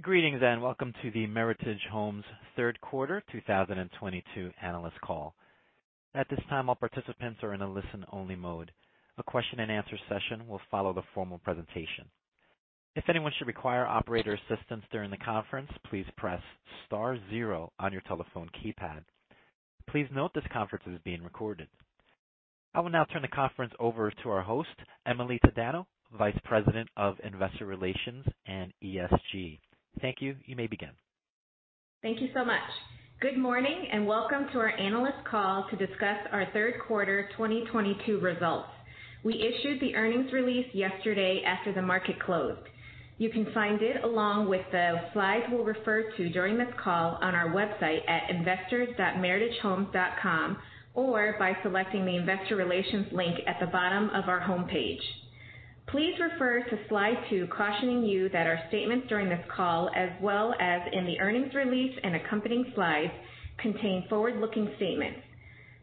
Greetings, and welcome to the Meritage Homes third quarter 2022 analyst call. At this time, all participants are in a listen-only mode. A question-and-answer session will follow the formal presentation. If anyone should require operator assistance during the conference, please press star zero on your telephone keypad. Please note this conference is being recorded. I will now turn the conference over to our host, Emily Tadano, Vice President of Investor Relations and ESG. Thank you. You may begin. Thank you so much. Good morning, and welcome to our analyst call to discuss our third quarter 2022 results. We issued the earnings release yesterday after the market closed. You can find it along with the slides we'll refer to during this call on our website at investors.meritagehomes.com or by selecting the Investor Relations link at the bottom of our homepage. Please refer to slide two cautioning you that our statements during this call as well as in the earnings release and accompanying slides contain forward-looking statements.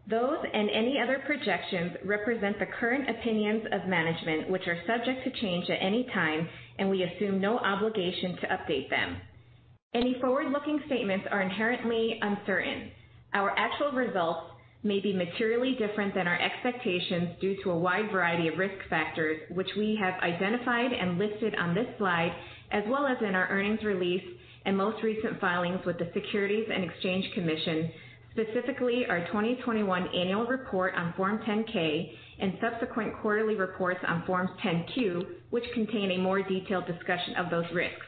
Those, and any other projections, represent the current opinions of management, which are subject to change at any time, and we assume no obligation to update them. Any forward-looking statements are inherently uncertain. Our actual results may be materially different than our expectations due to a wide variety of risk factors, which we have identified and listed on this slide as well as in our earnings release and most recent filings with the Securities and Exchange Commission, specifically our 2021 annual report on Form 10-K and subsequent quarterly reports on Form 10-Q, which contain a more detailed discussion of those risks.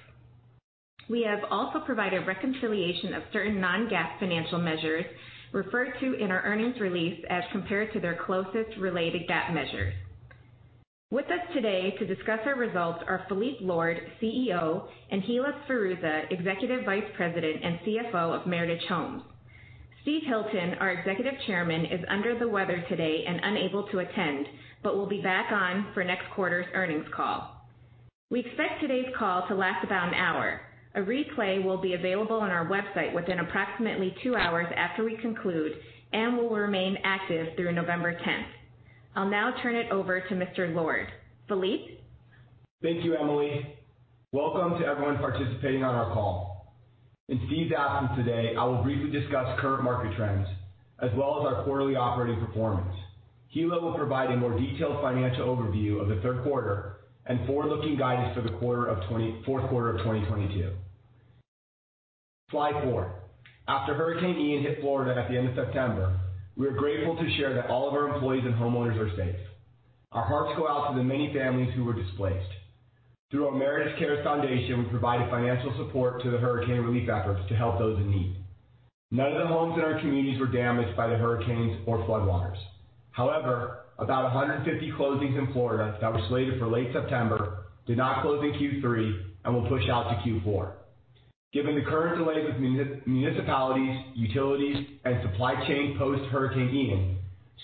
We have also provided reconciliation of certain non-GAAP financial measures referred to in our earnings release as compared to their closest related GAAP measures. With us today to discuss our results are Phillippe Lord, CEO, and Hilla Sferruzza, Executive Vice President and CFO of Meritage Homes. Steven Hilton, our Executive Chairman, is under the weather today and unable to attend, but will be back on for next quarter's earnings call. We expect today's call to last about an hour. A replay will be available on our website within approximately two hours after we conclude and will remain active through November 10th. I'll now turn it over to Mr. Lord. Phillippe? Thank you, Emily. Welcome to everyone participating on our call. In Steve's absence today, I will briefly discuss current market trends as well as our quarterly operating performance. Hilla will provide a more detailed financial overview of the third quarter and forward-looking guidance for the fourth quarter of 2022. Slide four. After Hurricane Ian hit Florida at the end of September, we are grateful to share that all of our employees and homeowners are safe. Our hearts go out to the many families who were displaced. Through our Meritage Cares Foundation, we provided financial support to the hurricane relief efforts to help those in need. None of the homes in our communities were damaged by the hurricanes or floodwaters. However, about 150 closings in Florida that were slated for late September did not close in Q3 and will push out to Q4. Given the current delays with municipalities, utilities, and supply chain post-Hurricane Ian,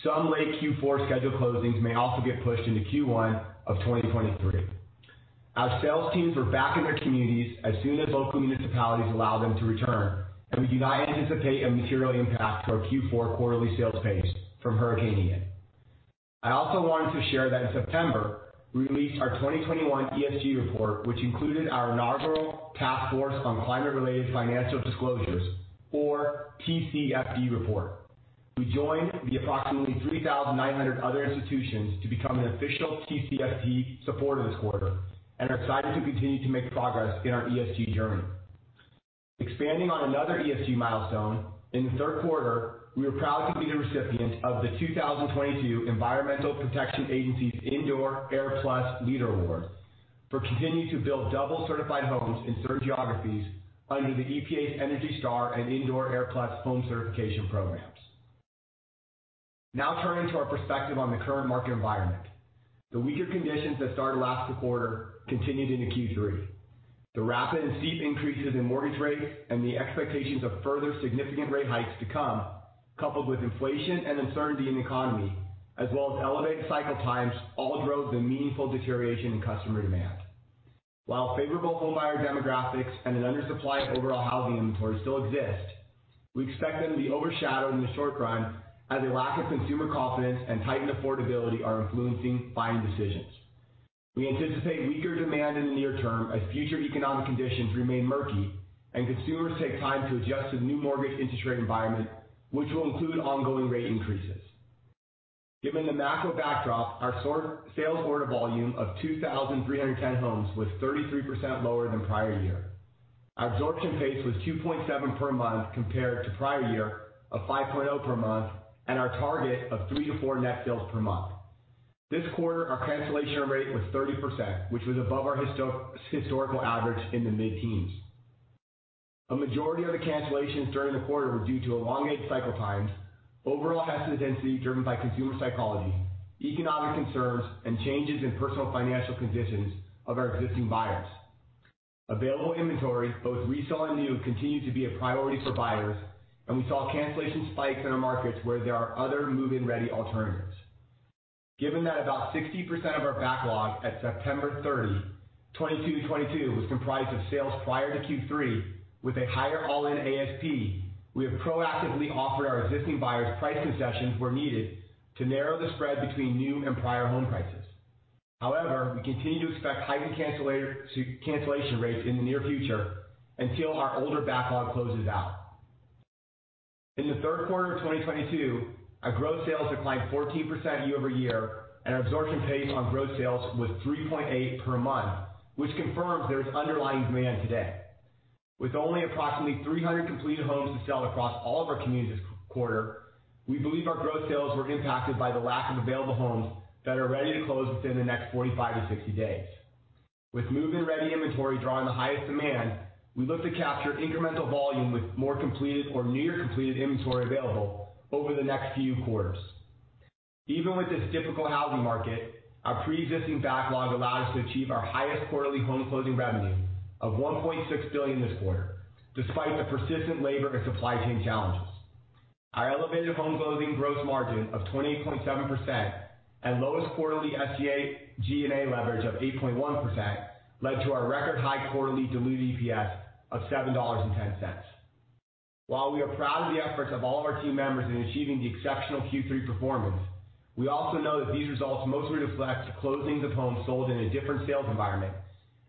some late Q4 scheduled closings may also get pushed into Q1 of 2023. Our sales teams were back in their communities as soon as local municipalities allowed them to return, and we do not anticipate a material impact to our Q4 quarterly sales pace from Hurricane Ian. I also wanted to share that in September, we released our 2021 ESG report, which included our inaugural Task Force on Climate-related Financial Disclosures, or TCFD report. We joined the approximately 3,900 other institutions to become an official TCFD supporter this quarter and are excited to continue to make progress in our ESG journey. Expanding on another ESG milestone, in the third quarter, we were proud to be the recipient of the 2022 Environmental Protection Agency's Indoor airPLUS Leader Award for continuing to build double-certified homes in certain geographies under the EPA's ENERGY STAR and Indoor airPLUS home certification programs. Now turning to our perspective on the current market environment. The weaker conditions that started last quarter continued into Q3. The rapid and steep increases in mortgage rates and the expectations of further significant rate hikes to come, coupled with inflation and uncertainty in the economy, as well as elevated cycle times, all drove the meaningful deterioration in customer demand. While favorable homebuyer demographics and an undersupply of overall housing inventory still exist, we expect them to be overshadowed in the short run as a lack of consumer confidence and heightened affordability are influencing buying decisions. We anticipate weaker demand in the near term as future economic conditions remain murky and consumers take time to adjust to the new mortgage interest rate environment, which will include ongoing rate increases. Given the macro backdrop, our sales order volume of 2,310 homes was 33% lower than prior year. Our absorption pace was 2.7 per month compared to prior year of 5.0 per month and our target of three to four net sales per month. This quarter, our cancellation rate was 30%, which was above our historical average in the mid-teens. A majority of the cancellations during the quarter were due to elongated cycle times, overall hesitancy driven by consumer psychology, economic concerns, and changes in personal financial conditions of our existing buyers. Available inventory, both resale and new, continued to be a priority for buyers, and we saw cancellation spikes in our markets where there are other move-in-ready alternatives. Given that about 60% of our backlog at September 30, 2022 was comprised of sales prior to Q3 with a higher all-in ASP, we have proactively offered our existing buyers price concessions where needed to narrow the spread between new and prior home prices. However, we continue to expect heightened cancellation rates in the near future until our older backlog closes out. In the third quarter of 2022, our growth sales declined 14% year-over-year, and our absorption pace on growth sales was 3.8 per month, which confirms there is underlying demand today. With only approximately 300 completed homes to sell across all of our communities this quarter, we believe our growth sales were impacted by the lack of available homes that are ready to close within the next 45-60 days. With move-in-ready inventory drawing the highest demand, we look to capture incremental volume with more completed or near completed inventory available over the next few quarters. Even with this difficult housing market, our preexisting backlog allowed us to achieve our highest quarterly home closing revenue of $1.6 billion this quarter, despite the persistent labor and supply chain challenges. Our elevated home closing gross margin of 28.7% and lowest quarterly SG&A leverage of 8.1% led to our record high quarterly diluted EPS of $7.10. While we are proud of the efforts of all our team members in achieving the exceptional Q3 performance, we also know that these results mostly reflect closings of homes sold in a different sales environment,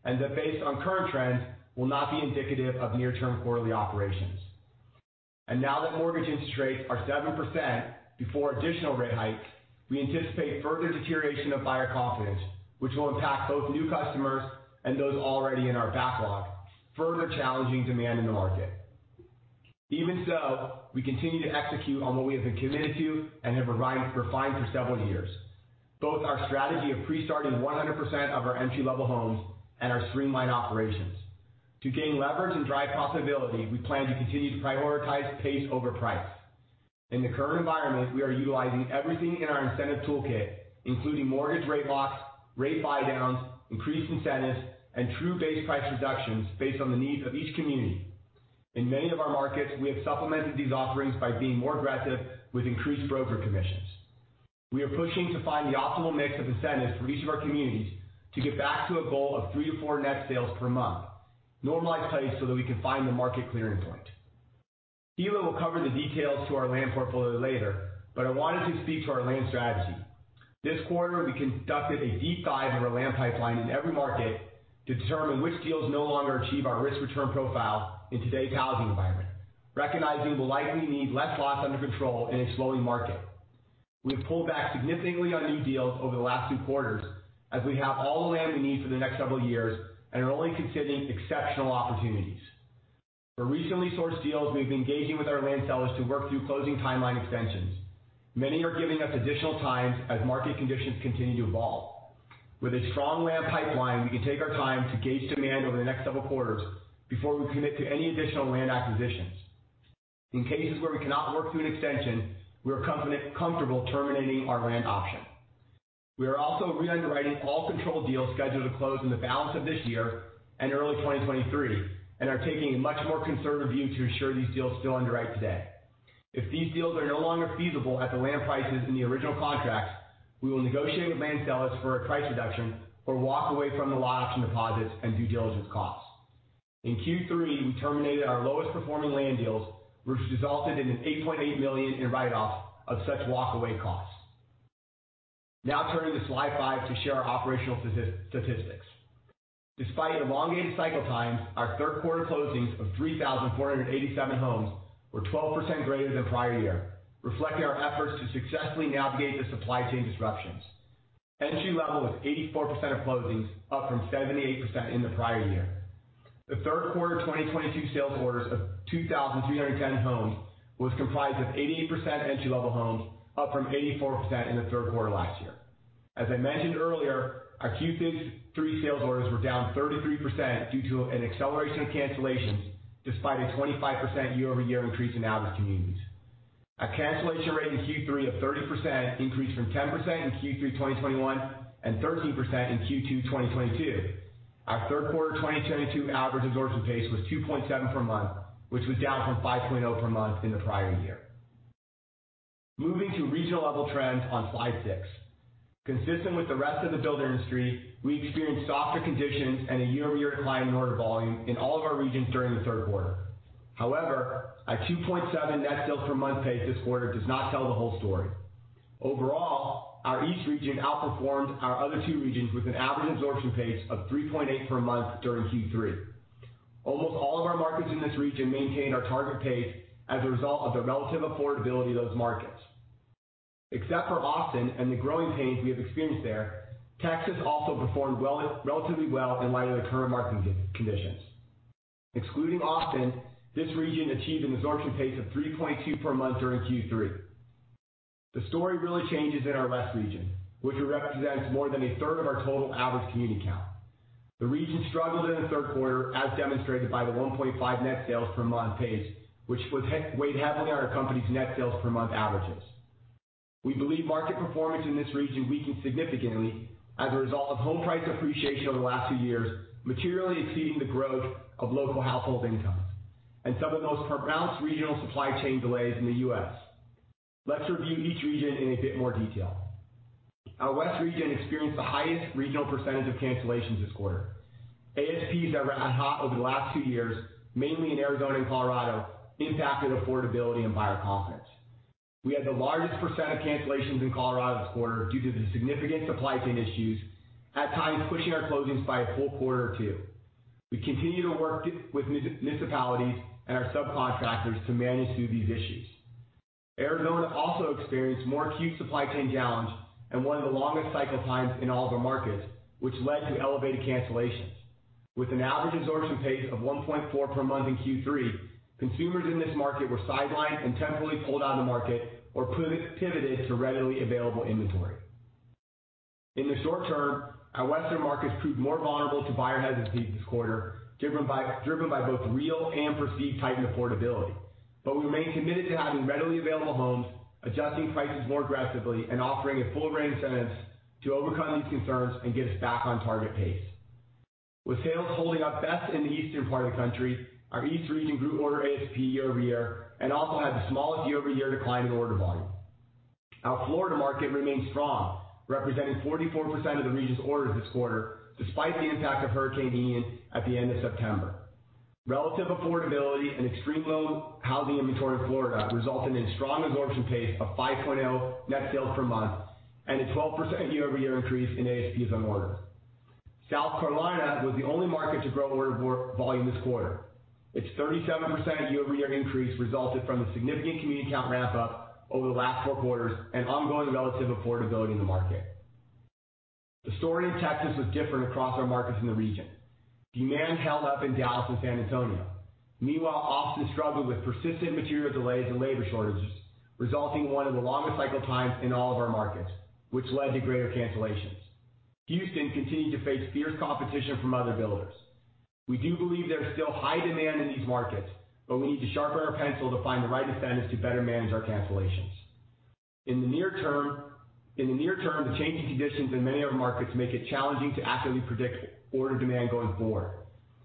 and that based on current trends, will not be indicative of near-term quarterly operations. Now that mortgage interest rates are 7% before additional rate hikes, we anticipate further deterioration of buyer confidence, which will impact both new customers and those already in our backlog, further challenging demand in the market. Even so, we continue to execute on what we have been committed to and have refined for several years. Both our strategy of pre-starting 100% of our entry-level homes and our streamlined operations. To gain leverage and drive profitability, we plan to continue to prioritize pace over price. In the current environment, we are utilizing everything in our incentive toolkit, including mortgage rate locks, rate buydowns, increased incentives, and true base price reductions based on the needs of each community. In many of our markets, we have supplemented these offerings by being more aggressive with increased broker commissions. We are pushing to find the optimal mix of incentives for each of our communities to get back to a goal of three to four net sales per month, normalized pace so that we can find the market clearing point. Stephen will cover the details to our land portfolio later, but I wanted to speak to our land strategy. This quarter, we conducted a deep dive of our land pipeline in every market to determine which deals no longer achieve our risk-return profile in today's housing environment, recognizing we'll likely need less lots under control in a slowing market. We have pulled back significantly on new deals over the last two quarters as we have all the land we need for the next several years and are only considering exceptional opportunities. For recently sourced deals, we've been engaging with our land sellers to work through closing timeline extensions. Many are giving us additional time as market conditions continue to evolve. With a strong land pipeline, we can take our time to gauge demand over the next several quarters before we commit to any additional land acquisitions. In cases where we cannot work through an extension, we are comfortable terminating our land option. We are also re-underwriting all controlled deals scheduled to close in the balance of this year and early 2023, and are taking a much more conservative view to ensure these deals still underwrite today. If these deals are no longer feasible at the land prices in the original contracts, we will negotiate with land sellers for a price reduction or walk away from the lot option deposits and due diligence costs. In Q3, we terminated our lowest performing land deals, which resulted in a $8.8 million write-off of such walk away costs. Now turning to slide five to share our operational statistics. Despite elongated cycle times, our third quarter closings of 3,487 homes were 12% greater than prior year, reflecting our efforts to successfully navigate the supply chain disruptions. Entry-level was 84% of closings, up from 78% in the prior year. The third quarter 2022 sales orders of 2,310 homes was comprised of 88% entry-level homes, up from 84% in the third quarter last year. As I mentioned earlier, our Q3 sales orders were down 33% due to an acceleration of cancellations despite a 25% year-over-year increase in average communities. A cancellation rate in Q3 of 30% increased from 10% in Q3 2021 and 13% in Q2 2022. Our third quarter 2022 average absorption pace was 2.7 per month, which was down from 5.0 per month in the prior year. Moving to regional level trends on slide six. Consistent with the rest of the builder industry, we experienced softer conditions and a year-over-year decline in order volume in all of our regions during the third quarter. However, our 2.7 net sales per month pace this quarter does not tell the whole story. Overall, our east region outperformed our other two regions with an average absorption pace of 3.8 per month during Q3. Almost all of our markets in this region maintain our target pace as a result of the relative affordability of those markets. Except for Austin and the growing pains we have experienced there, Texas also performed well, relatively well in light of the current market conditions. Excluding Austin, this region achieved an absorption pace of 3.2 per month during Q3. The story really changes in our west region, which represents more than 1/3 of our total average community count. The region struggled in the third quarter, as demonstrated by the 1.5 net sales per month pace, which was weighed heavily on our company's net sales per month averages. We believe market performance in this region weakened significantly as a result of home price appreciation over the last few years, materially exceeding the growth of local household incomes and some of the most pronounced regional supply chain delays in the U.S. Let's review each region in a bit more detail. Our West region experienced the highest regional percentage of cancellations this quarter. ASPs that ran hot over the last two years, mainly in Arizona and Colorado, impacted affordability and buyer confidence. We had the largest percent of cancellations in Colorado this quarter due to the significant supply chain issues, at times pushing our closings by a full quarter or two. We continue to work with municipalities and our subcontractors to manage through these issues. Arizona also experienced more acute supply chain challenges and one of the longest cycle times in all of our markets, which led to elevated cancellations. With an average absorption pace of 1.4 per month in Q3, consumers in this market were sidelined and temporarily pulled out of the market or pivoted to readily available inventory. In the short term, our western markets proved more vulnerable to buyer hesitancy this quarter, driven by both real and perceived tightened affordability. We remain committed to having readily available homes, adjusting prices more aggressively, and offering a full range of incentives to overcome these concerns and get us back on target pace. With sales holding up best in the eastern part of the country, our east region grew order ASP year-over-year and also had the smallest year-over-year decline in order volume. Our Florida market remains strong, representing 44% of the region's orders this quarter, despite the impact of Hurricane Ian at the end of September. Relative affordability and extremely low housing inventory in Florida resulted in strong absorption pace of 5.0 net sales per month and a 12% year-over-year increase in ASPs on orders. South Carolina was the only market to grow order volume this quarter. Its 37% year-over-year increase resulted from the significant community count ramp up over the last four quarters and ongoing relative affordability in the market. The story in Texas was different across our markets in the region. Demand held up in Dallas and San Antonio. Meanwhile, Austin struggled with persistent material delays and labor shortages, resulting in one of the longest cycle times in all of our markets, which led to greater cancellations. Houston continued to face fierce competition from other builders. We do believe there is still high demand in these markets, but we need to sharpen our pencil to find the right incentives to better manage our cancellations. In the near term, the changing conditions in many of our markets make it challenging to accurately predict order demand going forward.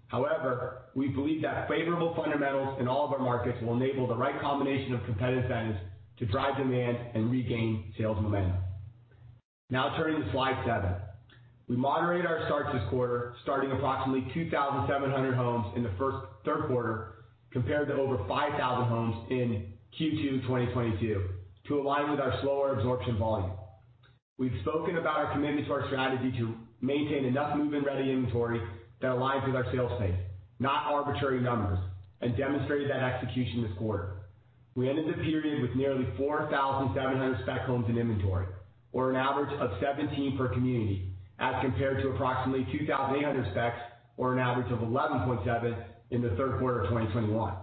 However, we believe that favorable fundamentals in all of our markets will enable the right combination of competitive incentives to drive demand and regain sales momentum. Now turning to slide seven. We moderated our starts this quarter, starting approximately 2,700 homes in the third quarter compared to over 5,000 homes in Q2 2022 to align with our slower absorption volume. We've spoken about our commitment to our strategy to maintain enough move-in-ready inventory that aligns with our sales pace, not arbitrary numbers, and demonstrated that execution this quarter. We ended the period with nearly 4,700 spec homes in inventory, or an average of 17 per community, as compared to approximately 2,800 specs or an average of 11.7 in the third quarter of 2021.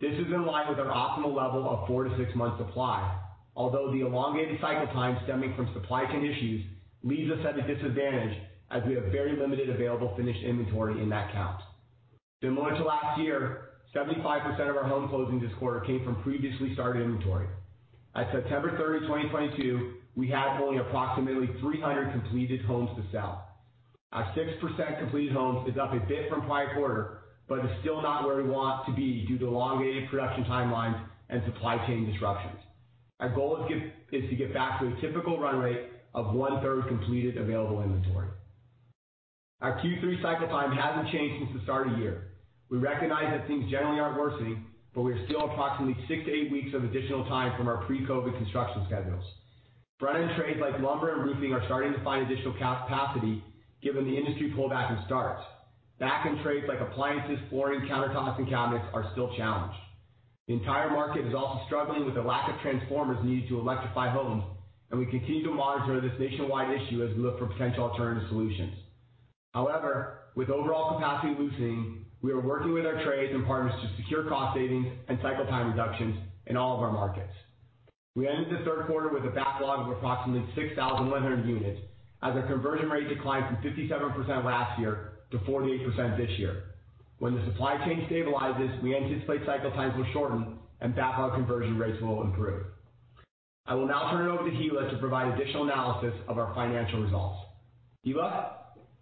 This is in line with our optimal level of four to six months supply. Although the elongated cycle time stemming from supply chain issues leaves us at a disadvantage as we have very limited available finished inventory in that count. Similar to last year, 75% of our home closings this quarter came from previously started inventory. At September 30, 2022, we had only approximately 300 completed homes to sell. Our 6% completed homes is up a bit from prior quarter, but is still not where we want to be due to elongated production timelines and supply chain disruptions. Our goal is to get back to a typical run rate of 1/3 completed available inventory. Our Q3 cycle time hasn't changed since the start of year. We recognize that things generally aren't worsening, but we are still approximately six to eight weeks of additional time from our pre-COVID construction schedules. Front-end trades like lumber and roofing are starting to find additional capacity given the industry pullback and starts. Back-end trades like appliances, flooring, countertops, and cabinets are still challenged. The entire market is also struggling with the lack of transformers needed to electrify homes, and we continue to monitor this nationwide issue as we look for potential alternative solutions. However, with overall capacity loosening, we are working with our trades and partners to secure cost savings and cycle time reductions in all of our markets. We ended the third quarter with a backlog of approximately 6,100 units as our conversion rate declined from 57% last year to 48% this year. When the supply chain stabilizes, we anticipate cycle times will shorten and backlog conversion rates will improve. I will now turn it over to Hilla to provide additional analysis of our financial results. Hilla?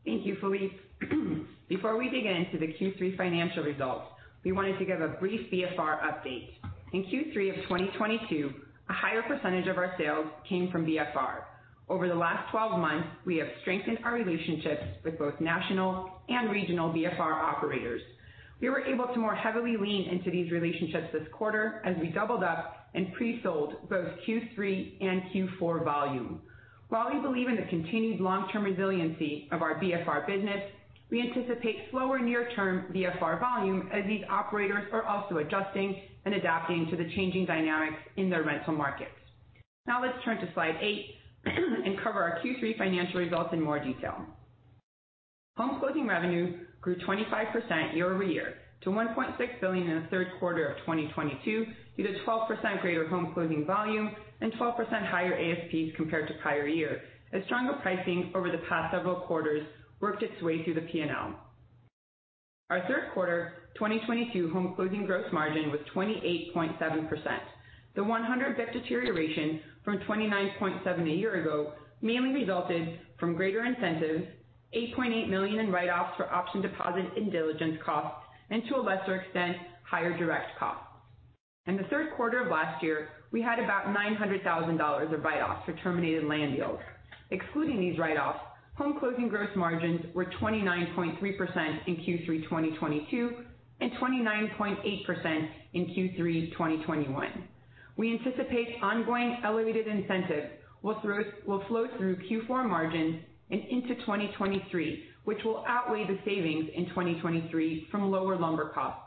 Thank you, Phillippe. Before we dig into the Q3 financial results, we wanted to give a brief BFR update. In Q3 of 2022, a higher percentage of our sales came from BFR. Over the last 12 months, we have strengthened our relationships with both national and regional BFR operators. We were able to more heavily lean into these relationships this quarter as we doubled up and pre-sold both Q3 and Q4 volume. While we believe in the continued long-term resiliency of our BFR business, we anticipate slower near-term BFR volume as these operators are also adjusting and adapting to the changing dynamics in their rental markets. Now let's turn to slide eight and cover our Q3 financial results in more detail. Home closing revenue grew 25% year-over-year to $1.6 billion in the third quarter of 2022, due to 12% greater home closing volume and 12% higher ASPs compared to prior years as stronger pricing over the past several quarters worked its way through the P&L. Our third quarter 2022 home closing gross margin was 28.7%. The 100 basis points deterioration from 29.7% a year ago mainly resulted from greater incentives, $8.8 million in write-offs for option deposit and diligence costs, and to a lesser extent, higher direct costs. In the third quarter of last year, we had about $900,000 of write-offs for terminated land deals. Excluding these write-offs, home closing gross margins were 29.3% in Q3 2022 and 29.8% in Q3 2021. We anticipate ongoing elevated incentives will flow through Q4 margins and into 2023, which will outweigh the savings in 2023 from lower lumber costs.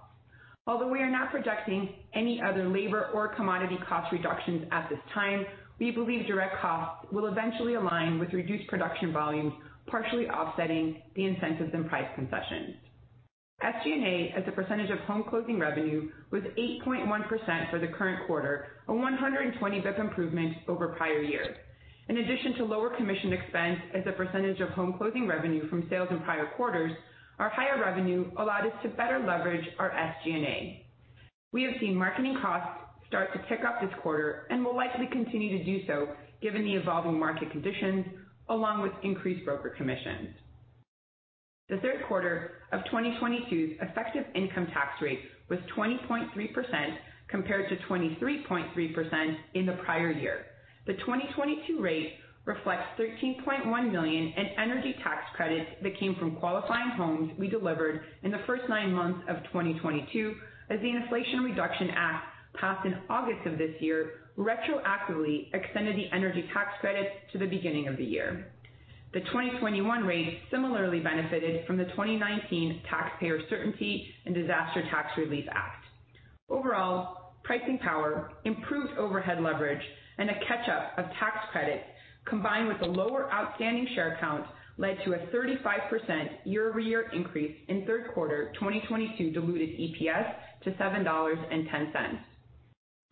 Although we are not projecting any other labor or commodity cost reductions at this time, we believe direct costs will eventually align with reduced production volumes, partially offsetting the incentives and price concessions. SG&A, as a percentage of home closing revenue, was 8.1% for the current quarter, a 120 basis points improvement over prior years. In addition to lower commission expense as a percentage of home closing revenue from sales in prior quarters, our higher revenue allowed us to better leverage our SG&A. We have seen marketing costs start to tick up this quarter and will likely continue to do so given the evolving market conditions along with increased broker commissions. The third quarter of 2022's effective income tax rate was 20.3% compared to 23.3% in the prior year. The 2022 rate reflects $13.1 million in energy tax credits that came from qualifying homes we delivered in the first nine months of 2022, as the Inflation Reduction Act, passed in August of this year, retroactively extended the energy tax credits to the beginning of the year. The 2021 rate similarly benefited from the 2019 Taxpayer Certainty and Disaster Tax Relief Act. Overall, pricing power, improved overhead leverage, and a catch-up of tax credit, combined with a lower outstanding share count, led to a 35% year-over-year increase in third quarter 2022 diluted EPS to $7.10.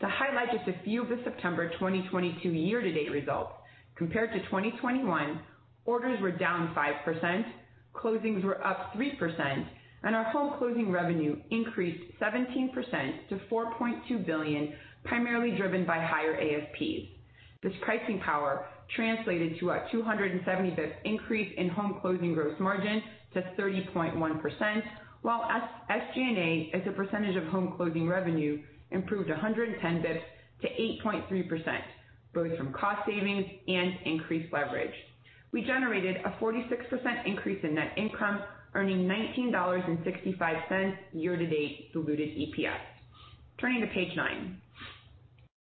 To highlight just a few of the September 2022 year-to-date results, compared to 2021, orders were down 5%, closings were up 3%, and our home closing revenue increased 17% to $4.2 billion, primarily driven by higher ASPs. This pricing power translated to a 270 basis points increase in home closing gross margin to 30.1%, while SG&A, as a percentage of home closing revenue, improved 110 basis points to 8.3%, both from cost savings and increased leverage. We generated a 46% increase in net income, earning $19.65 year-to-date diluted EPS. Turning to page nine.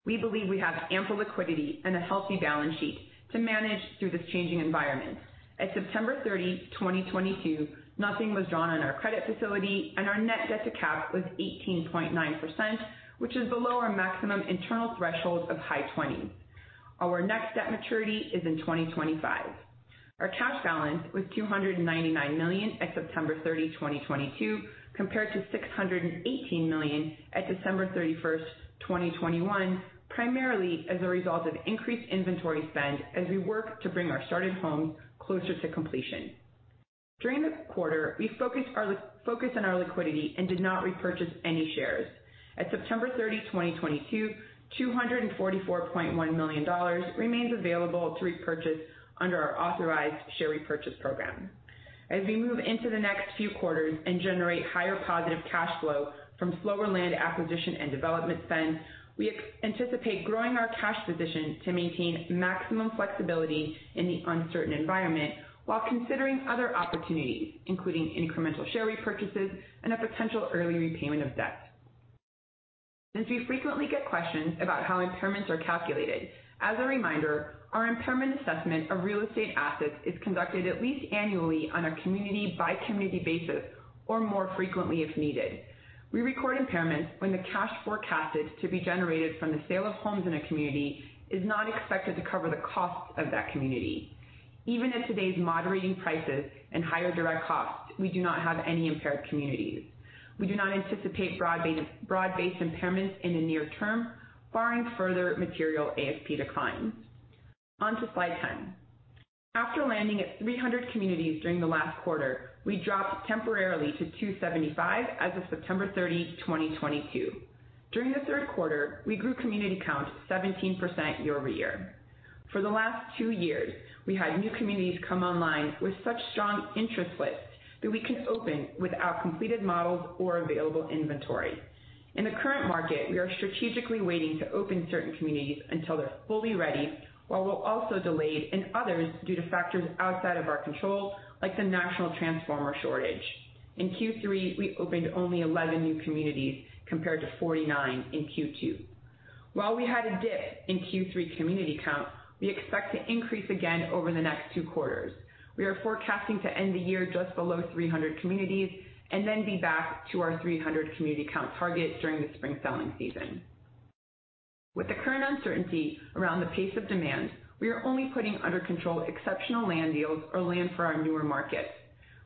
We believe we have ample liquidity and a healthy balance sheet to manage through this changing environment. At September 30, 2022, nothing was drawn on our credit facility and our net debt to cap was 18.9%, which is below our maximum internal threshold of high 20s. Our next debt maturity is in 2025. Our cash balance was $299 million at September 30, 2022, compared to $618 million at December 31, 2021, primarily as a result of increased inventory spend as we work to bring our started homes closer to completion. During this quarter, we focused on our liquidity and did not repurchase any shares. At September 30, 2022, $244.1 million remains available to repurchase under our authorized share repurchase program. As we move into the next few quarters and generate higher positive cash flow from slower land acquisition and development spend, we anticipate growing our cash position to maintain maximum flexibility in the uncertain environment while considering other opportunities, including incremental share repurchases and a potential early repayment of debt. Since we frequently get questions about how impairments are calculated, as a reminder, our impairment assessment of real estate assets is conducted at least annually on a community-by-community basis or more frequently if needed. We record impairments when the cash forecasted to be generated from the sale of homes in a community is not expected to cover the costs of that community. Even at today's moderating prices and higher direct costs, we do not have any impaired communities. We do not anticipate broad-based impairments in the near term, barring further material ASP declines. On to slide 10. After landing at 300 communities during the last quarter, we dropped temporarily to 275 as of September 30, 2022. During the third quarter, we grew community count 17% year-over-year. For the last two years, we had new communities come online with such strong interest lists that we could open without completed models or available inventory. In the current market, we are strategically waiting to open certain communities until they're fully ready, while we're also delayed in others due to factors outside of our control, like the national transformer shortage. In Q3, we opened only 11 new communities, compared to 49 in Q2. While we had a dip in Q3 community count, we expect to increase again over the next two quarters. We are forecasting to end the year just below 300 communities and then be back to our 300 community count target during the spring selling season. With the current uncertainty around the pace of demand, we are only putting under control exceptional land deals or land for our newer markets.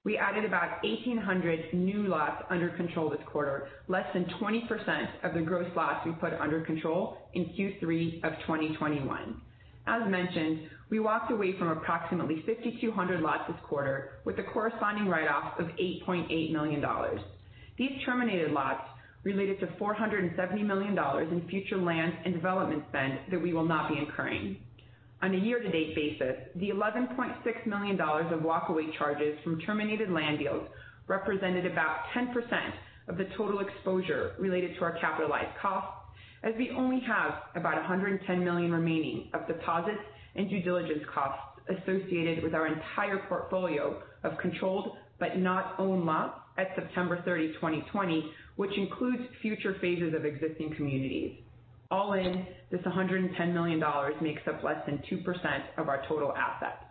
We added about 1,800 new lots under control this quarter, less than 20% of the gross lots we put under control in Q3 of 2021. As mentioned, we walked away from approximately 5,200 lots this quarter with a corresponding write-off of $8.8 million. These terminated lots related to $470 million in future land and development spend that we will not be incurring. On a year-to-date basis, the $11.6 million of walkaway charges from terminated land deals represented about 10% of the total exposure related to our capitalized costs, as we only have about $110 million remaining of deposits and due diligence costs associated with our entire portfolio of controlled, but not owned lots at September 30, 2020, which includes future phases of existing communities. All in, this $110 million makes up less than 2% of our total assets.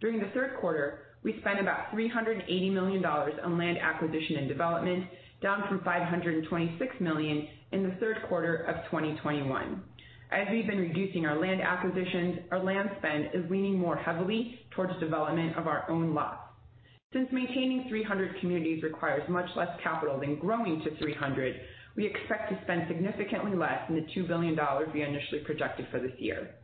During the third quarter, we spent about $380 million on land acquisition and development, down from $526 million in the third quarter of 2021. As we've been reducing our land acquisitions, our land spend is leaning more heavily towards development of our own lots. Since maintaining 300 communities requires much less capital than growing to 300, we expect to spend significantly less than the $2 billion we initially projected for this year.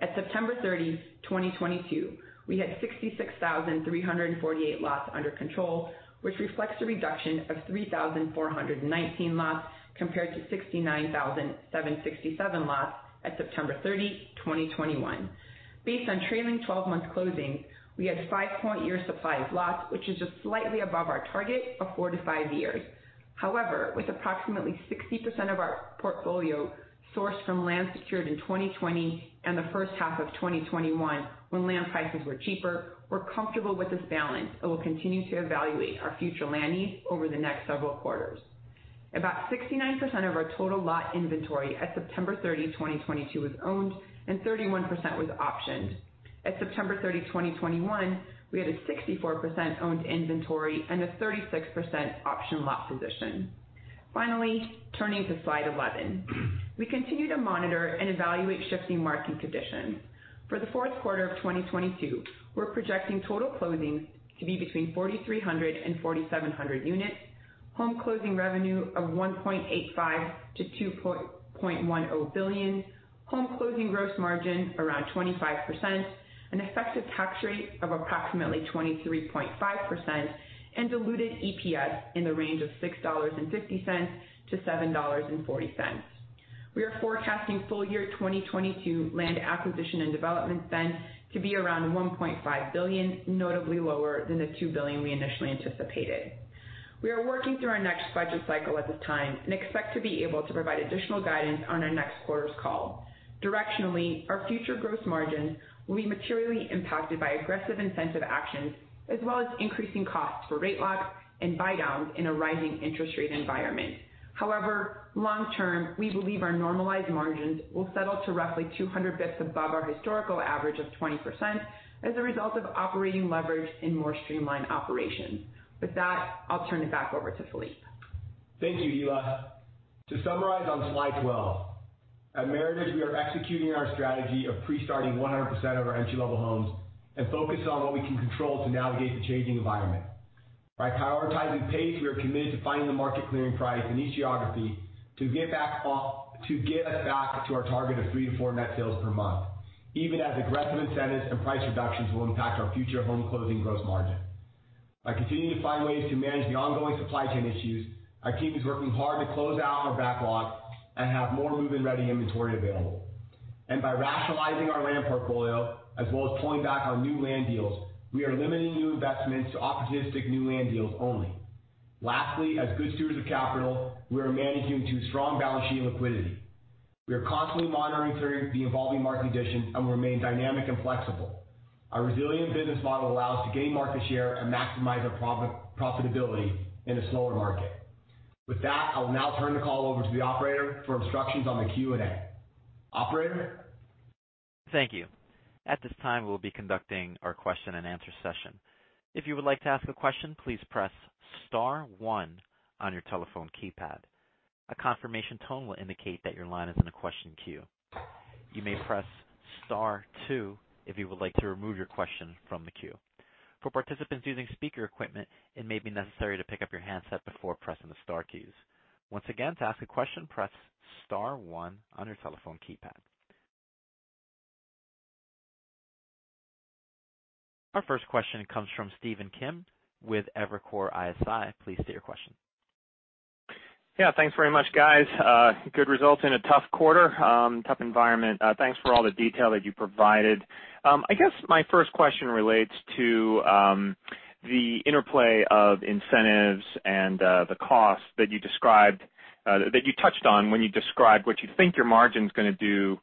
At September 30, 2022, we had 66,348 lots under control, which reflects a reduction of 3,419 lots compared to 69,767 lots at September 30, 2021. Based on trailing twelve months closings, we had five-year supply of lots, which is just slightly above our target of four to five years. However, with approximately 60% of our portfolio sourced from land secured in 2020 and the first half of 2021, when land prices were cheaper, we're comfortable with this balance, and we'll continue to evaluate our future land needs over the next several quarters. About 69% of our total lot inventory at September 30, 2022 was owned and 31% was optioned. At September 30, 2021, we had a 64% owned inventory and a 36% option lot position. Finally, turning to slide 11. We continue to monitor and evaluate shifting market conditions. For the fourth quarter of 2022, we're projecting total closings to be between 4,300 and 4,700 units. Home closing revenue of $1.85 billion-$2.1 billion. Home closing gross margin around 25%. An effective tax rate of approximately 23.5%. Diluted EPS in the range of $6.50-$7.40. We are forecasting full year 2022 land acquisition and development spend to be around $1.5 billion, notably lower than the $2 billion we initially anticipated. We are working through our next budget cycle at this time and expect to be able to provide additional guidance on our next quarter's call. Directionally, our future gross margins will be materially impacted by aggressive incentive actions as well as increasing costs for rate locks and buydowns in a rising interest rate environment. However, long term, we believe our normalized margins will settle to roughly 200 basis points above our historical average of 20% as a result of operating leverage in more streamlined operations. With that, I'll turn it back over to Philippe. Thank you, Hilla. To summarize on slide 12, at Meritage, we are executing our strategy of pre-starting 100% of our entry-level homes and focus on what we can control to navigate the changing environment. By prioritizing pace, we are committed to finding the market clearing price in each geography to get us back to our target of three to four net sales per month, even as aggressive incentives and price reductions will impact our future home closing gross margin. By continuing to find ways to manage the ongoing supply chain issues, our team is working hard to close out our backlog and have more move-in-ready inventory available. By rationalizing our land portfolio as well as pulling back our new land deals, we are limiting new investments to opportunistic new land deals only. Lastly, as good stewards of capital, we are managing to strong balance sheet liquidity. We are constantly monitoring through the evolving market conditions and remain dynamic and flexible. Our resilient business model allows to gain market share and maximize our profitability in a slower market. With that, I will now turn the call over to the operator for instructions on the Q&A. Operator? Thank you. At this time, we'll be conducting our question and answer session. If you would like to ask a question, please press star one on your telephone keypad. A confirmation tone will indicate that your line is in a question queue. You may press star two if you would like to remove your question from the queue. For participants using speaker equipment, it may be necessary to pick up your handset before pressing the star keys. Once again, to ask a question, press star one on your telephone keypad. Our first question comes from Stephen Kim with Evercore ISI. Please state your question. Yeah, thanks very much, guys. Good results in a tough quarter, tough environment. Thanks for all the detail that you provided. I guess my first question relates to the interplay of incentives and the costs that you described that you touched on when you described what you think your margin is gonna do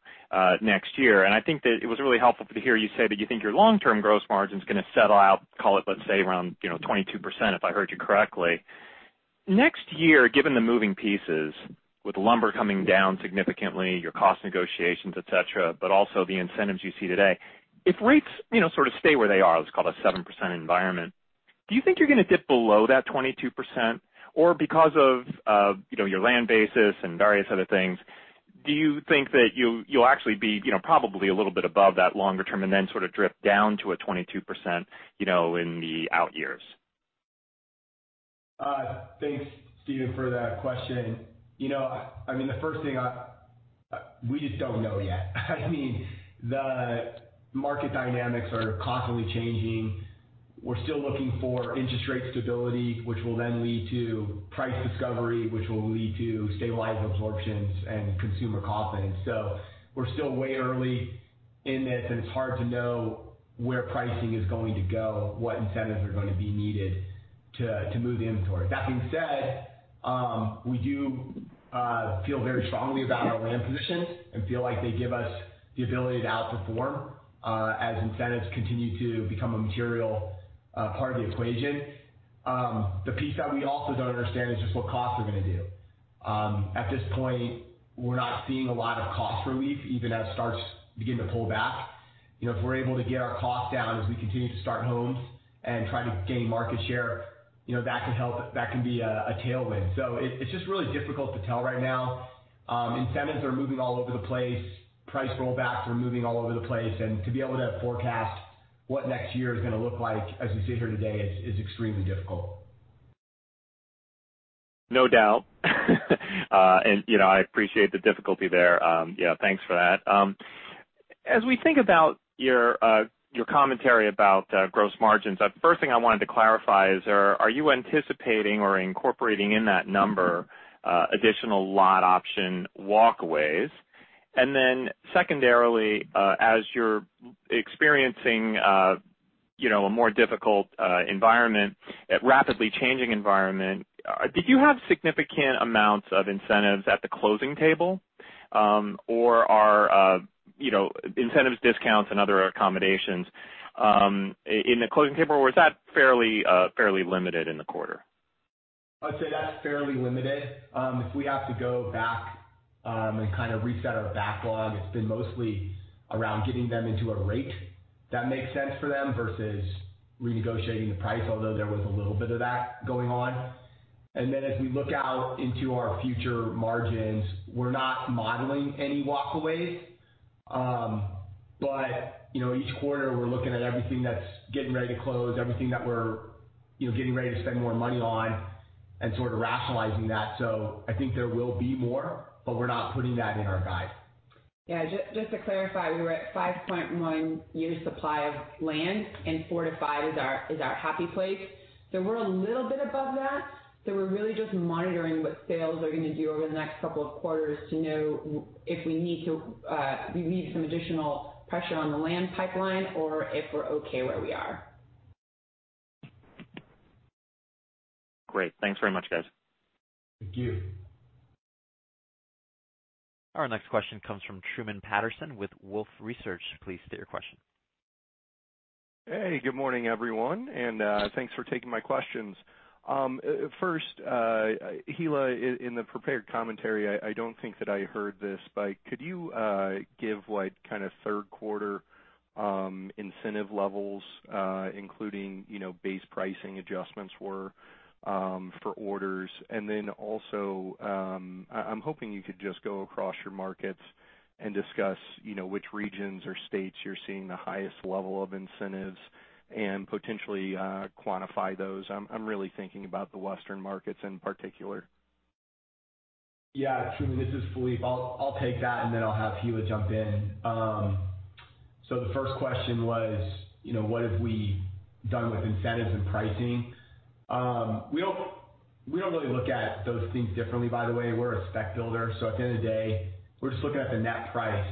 next year. I think that it was really helpful to hear you say that you think your long-term gross margin is gonna settle out, call it, let's say around, you know, 22%, if I heard you correctly. Next year, given the moving pieces, with lumber coming down significantly, your cost negotiations, et cetera, but also the incentives you see today. If rates, you know, sort of stay where they are, let's call it a 7% environment, do you think you're gonna dip below that 22%? Because of, you know, your land basis and various other things, do you think that you'll actually be, you know, probably a little bit above that longer term and then sort of drip down to a 22%, you know, in the out years? Thanks, Stephen, for that question. You know, I mean, the first thing we just don't know yet. I mean, the market dynamics are constantly changing. We're still looking for interest rate stability, which will then lead to price discovery, which will lead to stabilized absorptions and consumer confidence. We're still way early in this, and it's hard to know where pricing is going to go, what incentives are going to be needed to move inventory. That being said, we do feel very strongly about our land position and feel like they give us the ability to outperform as incentives continue to become a material part of the equation. The piece that we also don't understand is just what costs are gonna do. At this point, we're not seeing a lot of cost relief, even as it starts beginning to pull back. You know, if we're able to get our costs down as we continue to start homes and try to gain market share, you know, that can help. That can be a tailwind. It's just really difficult to tell right now. Incentives are moving all over the place. Price rollbacks are moving all over the place. To be able to forecast what next year is gonna look like as we sit here today is extremely difficult. No doubt. You know, I appreciate the difficulty there. Yeah, thanks for that. As we think about your commentary about gross margins, first thing I wanted to clarify is, are you anticipating or incorporating in that number additional lot option walkaways? Then secondarily, as you're experiencing you know, a more difficult environment, a rapidly changing environment, did you have significant amounts of incentives at the closing table, or are you know, incentives, discounts and other accommodations in the closing table, or was that fairly limited in the quarter? I'd say that's fairly limited. If we have to go back, and kind of reset our backlog, it's been mostly around getting them into a rate that makes sense for them versus renegotiating the price, although there was a little bit of that going on. Then as we look out into our future margins, we're not modeling any walkaways. You know, each quarter, we're looking at everything that's getting ready to close, everything that we're, you know, getting ready to spend more money on and sort of rationalizing that. I think there will be more, but we're not putting that in our guide. Yeah. Just to clarify, we were at 5.1 years supply of land, and four to five years is our happy place. We're a little bit above that. We're really just monitoring what sales are gonna do over the next couple of quarters to know if we need to, we need some additional pressure on the land pipeline or if we're okay where we are. Great. Thanks very much, guys. Thank you. Our next question comes from Truman Patterson with Wolfe Research. Please state your question. Hey, good morning, everyone, and thanks for taking my questions. First, Hilla, in the prepared commentary, I don't think that I heard this, but could you give, like, kinda third quarter incentive levels, including, you know, base pricing adjustments or for orders? Then also, I'm hoping you could just go across your markets and discuss, you know, which regions or states you're seeing the highest level of incentives and potentially quantify those. I'm really thinking about the Western markets in particular. Yeah. Truman, this is Phillippe. I'll take that, and then I'll have Hilla jump in. The first question was, you know, what have we done with incentives and pricing? We don't really look at those things differently by the way. We're a spec builder, so at the end of the day, we're just looking at the net price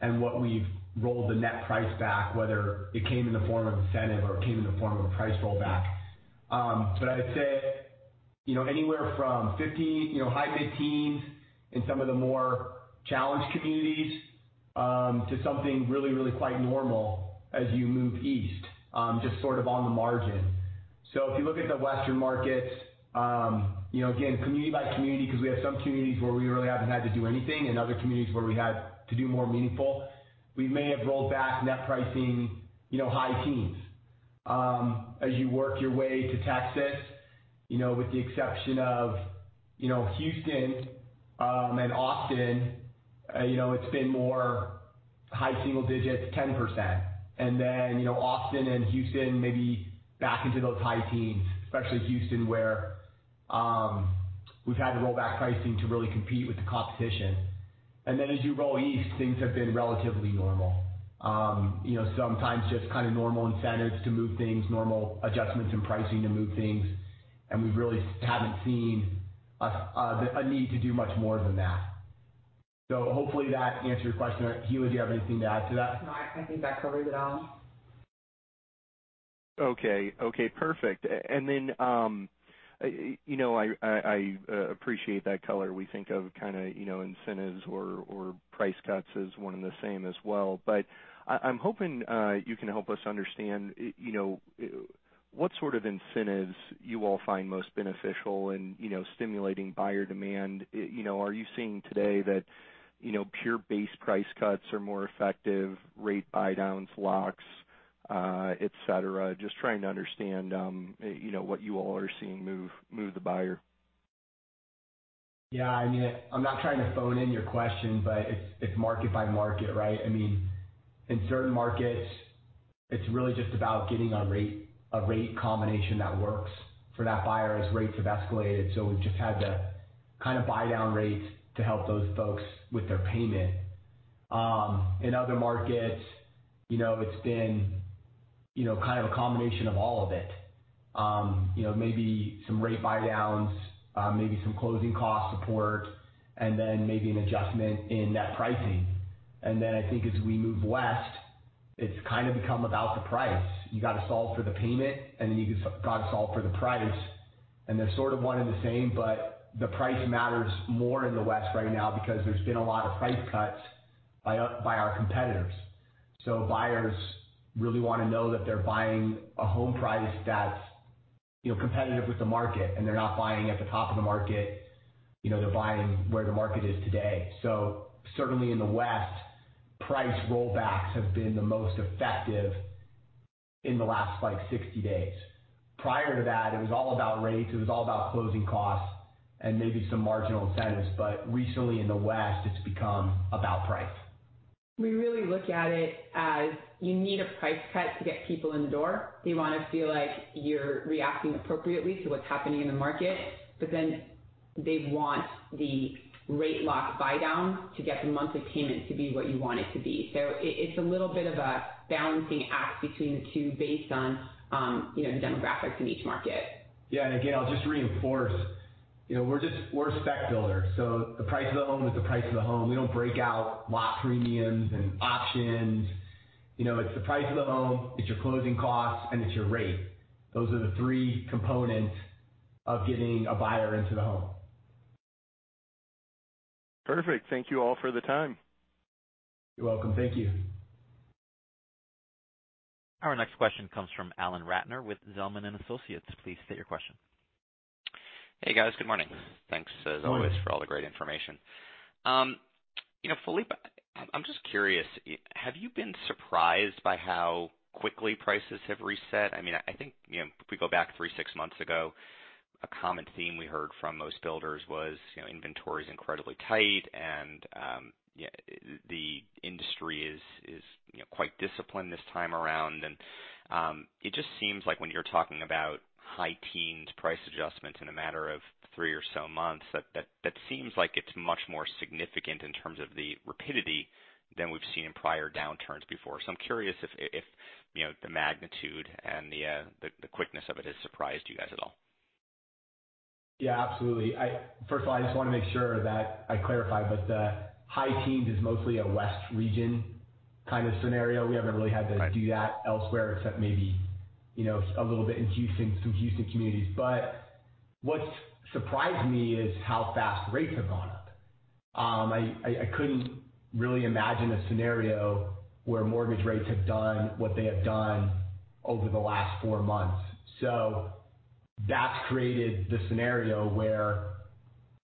and what we've rolled the net price back, whether it came in the form of incentive or it came in the form of a price rollback. I'd say, you know, anywhere from 15%, high mid-teens in some of the more challenged communities, to something really quite normal as you move east, just sort of on the margin. If you look at the Western markets, you know, again, community by community, 'cause we have some communities where we really haven't had to do anything and other communities where we had to do more meaningful, we may have rolled back net pricing, you know, high teens. As you work your way to Texas, you know, with the exception of, you know, Houston and Austin, you know, it's been more high single digits, 10%. And then, you know, Austin and Houston, maybe back into those high teens, especially Houston, where we've had to roll back pricing to really compete with the competition. And then as you roll east, things have been relatively normal. You know, sometimes just kinda normal incentives to move things, normal adjustments in pricing to move things, and we really haven't seen a need to do much more than that. Hopefully that answers your question. Hilla, do you have anything to add to that? No, I think that covers it all. Okay, perfect. You know, I appreciate that color. We think of kinda, you know, incentives or price cuts as one and the same as well. I'm hoping you can help us understand, you know, what sort of incentives you all find most beneficial in, you know, stimulating buyer demand. You know, are you seeing today that, you know, pure base price cuts are more effective, rate buydowns, locks, et cetera? Just trying to understand, you know, what you all are seeing move the buyer. Yeah, I mean, I'm not trying to phone in your question, but it's market by market, right? I mean, in certain markets, it's really just about getting a rate, a rate combination that works for that buyer as rates have escalated. We've just had to kind of buy down rates to help those folks with their payment. In other markets, you know, it's been you know, kind of a combination of all of it. You know, maybe some rate buy-downs, maybe some closing cost support, and then maybe an adjustment in net pricing. I think as we move west, it's kind of become about the price. You got to solve for the payment, and then you got to solve for the price. They're sort of one and the same, but the price matters more in the West right now because there's been a lot of price cuts by our competitors. Buyers really want to know that they're buying a home price that's, you know, competitive with the market, and they're not buying at the top of the market. You know, they're buying where the market is today. Certainly in the West, price rollbacks have been the most effective in the last, like, 60 days. Prior to that, it was all about rates, it was all about closing costs and maybe some marginal incentives. Recently in the West, it's become about price. We really look at it as you need a price cut to get people in the door. They want to feel like you're reacting appropriately to what's happening in the market. But then they want the rate lock buydown to get the monthly payment to be what you want it to be. It's a little bit of a balancing act between the two based on, you know, the demographics in each market. Yeah. Again, I'll just reinforce, you know, we're a spec builder, so the price of the home is the price of the home. We don't break out lot premiums and options. You know, it's the price of the home, it's your closing costs, and it's your rate. Those are the three components of getting a buyer into the home. Perfect. Thank you all for the time. You're welcome. Thank you. Our next question comes from Alan Ratner with Zelman & Associates. Please state your question. Hey, guys. Good morning. Good morning. Thanks as always for all the great information. You know, Phillippe, I'm just curious, have you been surprised by how quickly prices have reset? I mean, I think, you know, if we go back three, six months ago, a common theme we heard from most builders was, you know, inventory is incredibly tight and, yeah, the industry is, you know, quite disciplined this time around. It just seems like when you're talking about high teens price adjustments in a matter of three or so months, that seems like it's much more significant in terms of the rapidity than we've seen in prior downturns before. I'm curious if, you know, the magnitude and the quickness of it has surprised you guys at all. Yeah, absolutely. First of all, I just want to make sure that I clarify, but the high teens is mostly a West region kind of scenario. We haven't really had to. Right. Do that elsewhere except maybe, you know, a little bit in Houston, some Houston communities. What's surprised me is how fast rates have gone up. I couldn't really imagine a scenario where mortgage rates have done what they have done over the last four months. That's created the scenario where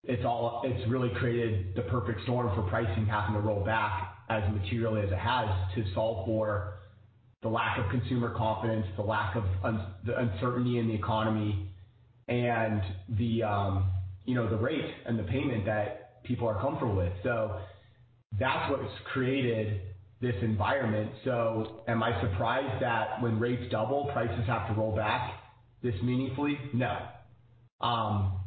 it's really created the perfect storm for pricing having to roll back as materially as it has to solve for the lack of consumer confidence, the lack of uncertainty in the economy and the, you know, the rate and the payment that people are comfortable with. That's what's created this environment. Am I surprised that when rates double, prices have to roll back this meaningfully? No.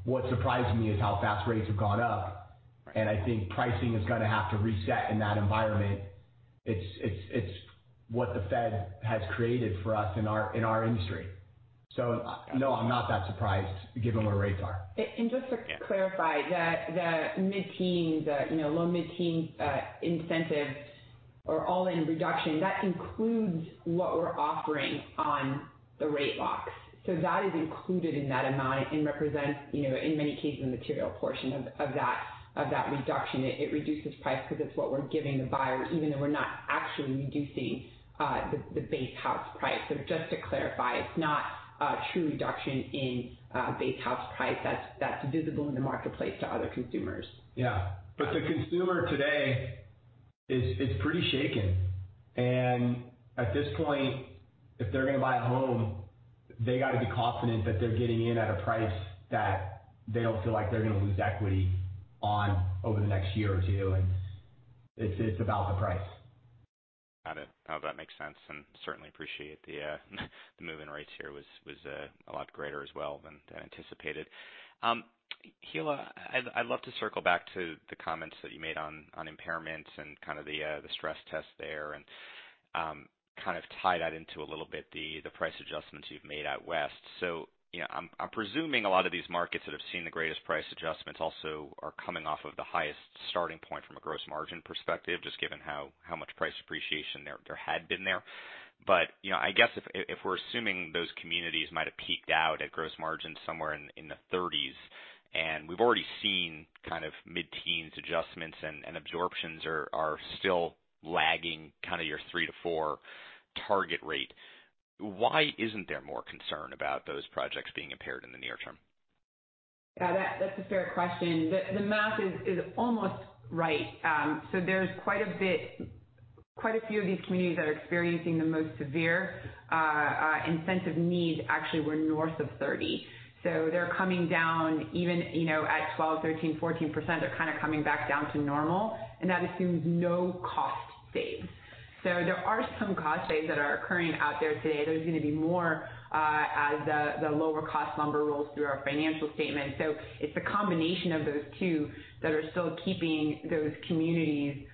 What surprised me is how fast rates have gone up, and I think pricing is going to have to reset in that environment. It's what the Fed has created for us in our industry. No, I'm not that surprised given where rates are. Just to clarify, the mid-teens, you know, low mid-teens incentives or all-in reduction, that includes what we're offering on the rate locks. That is included in that amount and represents, you know, in many cases, a material portion of that reduction. It reduces price because it's what we're giving the buyers, even though we're not actually reducing the base house price. Just to clarify, it's not a true reduction in base house price that's visible in the marketplace to other consumers. Yeah. The consumer today is pretty shaken. At this point, if they're going to buy a home, they got to be confident that they're getting in at a price that they don't feel like they're going to lose equity on over the next year or two, and it's about the price. Got it. No, that makes sense, and certainly appreciate the move in rates here was a lot greater as well than anticipated. Hilla, I'd love to circle back to the comments that you made on impairments and kind of the stress test there and kind of tie that into a little bit the price adjustments you've made out west. You know, I'm presuming a lot of these markets that have seen the greatest price adjustments also are coming off of the highest starting point from a gross margin perspective, just given how much price appreciation there had been there. You know, I guess if we're assuming those communities might have peaked out at gross margins somewhere in the 30s percent, and we've already seen kind of mid-teens adjustments and absorptions are still lagging kind of your three to four target rate, why isn't there more concern about those projects being impaired in the near term? Yeah, that's a fair question. The math is almost right. There's quite a few of these communities that are experiencing the most severe incentive need actually were north of 30%. They're coming down even, you know, at 12%, 13%, 14%, they're kind of coming back down to normal. That assumes no cost savings. There are some cost savings that are occurring out there today. There's gonna be more as the lower cost lumber rolls through our financial statement. It's a combination of those two that are still keeping those communities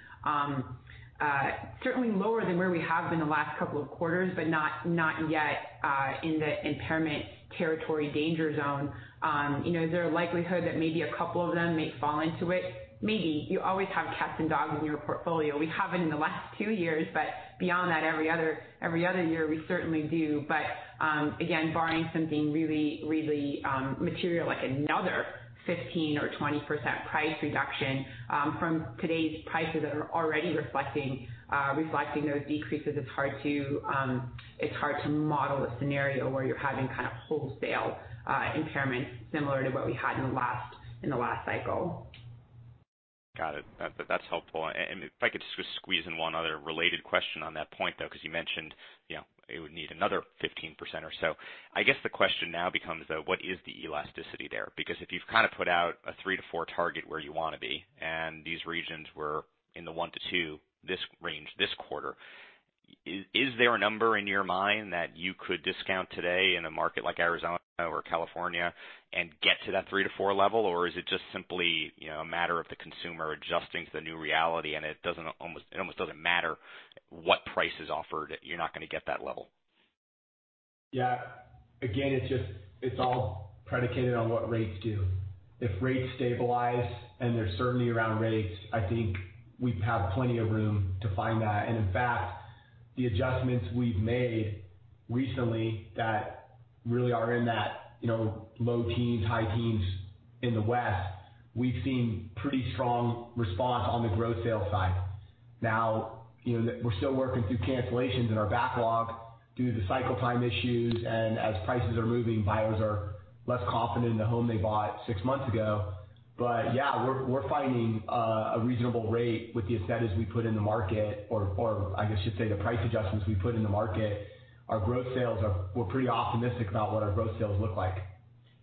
certainly lower than where we have been the last couple of quarters, but not yet in the impairment territory danger zone. You know, is there a likelihood that maybe a couple of them may fall into it? Maybe. You always have cats and dogs in your portfolio. We haven't in the last two years, but beyond that, every other year, we certainly do. Again, barring something really material like another 15% or 20% price reduction from today's prices that are already reflecting those decreases, it's hard to model a scenario where you're having kind of wholesale impairment similar to what we had in the last cycle. Got it. That's helpful. If I could just squeeze in one other related question on that point, though, 'cause you mentioned, you know, it would need another 15% or so. I guess the question now becomes, though, what is the elasticity there? Because if you've kind of put out a three to four target where you wanna be and these regions were in the one to two range this quarter, is there a number in your mind that you could discount today in a market like Arizona or California and get to that three to four level? Or is it just simply, you know, a matter of the consumer adjusting to the new reality and it almost doesn't matter what price is offered, you're not gonna get that level? Yeah. Again, it's all predicated on what rates do. If rates stabilize and there's certainty around rates, I think we have plenty of room to find that. In fact, the adjustments we've made recently that really are in that, you know, low teens, high teens in the West, we've seen pretty strong response on the growth sales side. Now, you know, we're still working through cancellations in our backlog due to the cycle time issues, and as prices are moving, buyers are less confident in the home they bought six months ago. Yeah, we're finding a reasonable rate with the incentives we put in the market or I guess I should say, the price adjustments we put in the market. We're pretty optimistic about what our growth sales look like.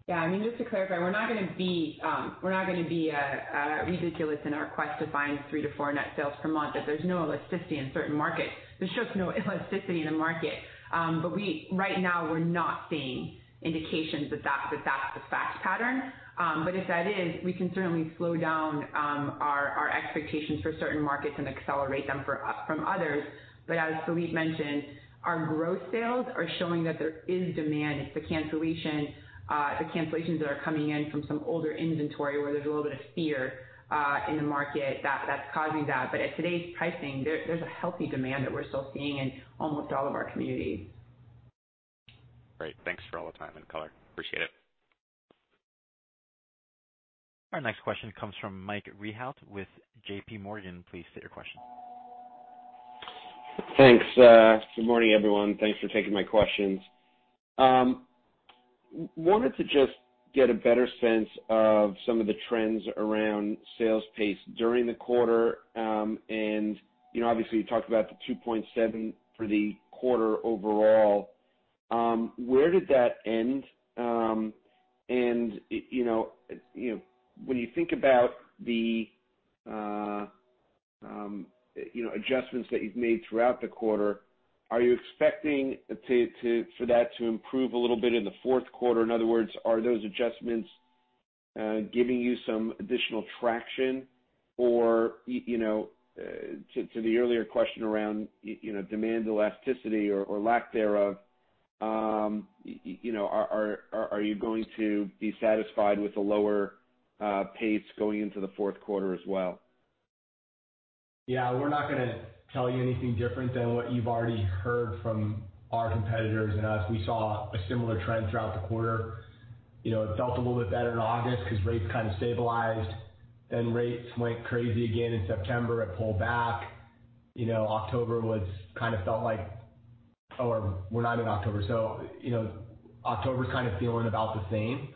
Yeah. I mean, just to clarify, we're not gonna be ridiculous in our quest to find three to four net sales per month, that there's no elasticity in certain markets. There's just no elasticity in the market. But right now we're not seeing indications that that's the fact pattern. But if that is, we can certainly slow down our expectations for certain markets and accelerate them from others. But as Phillippe mentioned, our growth sales are showing that there is demand. It's the cancellations that are coming in from some older inventory where there's a little bit of fear in the market that's causing that. But at today's pricing, there's a healthy demand that we're still seeing in almost all of our communities. Great. Thanks for all the time and color. Appreciate it. Our next question comes from Mike Rehaut with JPMorgan. Please state your question. Thanks. Good morning, everyone. Thanks for taking my questions. Wanted to just get a better sense of some of the trends around sales pace during the quarter. You know, obviously, you talked about the 2.7 for the quarter overall. Where did that end? You know, when you think about the, you know, adjustments that you've made throughout the quarter, are you expecting for that to improve a little bit in the fourth quarter? In other words, are those adjustments giving you some additional traction? Or, you know, to the earlier question around, you know, demand elasticity or lack thereof, you know, are you going to be satisfied with the lower pace going into the fourth quarter as well? Yeah. We're not gonna tell you anything different than what you've already heard from our competitors and us. We saw a similar trend throughout the quarter. You know, it felt a little bit better in August 'cause rates kind of stabilized. Rates went crazy again in September. It pulled back. You know, we're not in October. You know, October's kind of feeling about the same.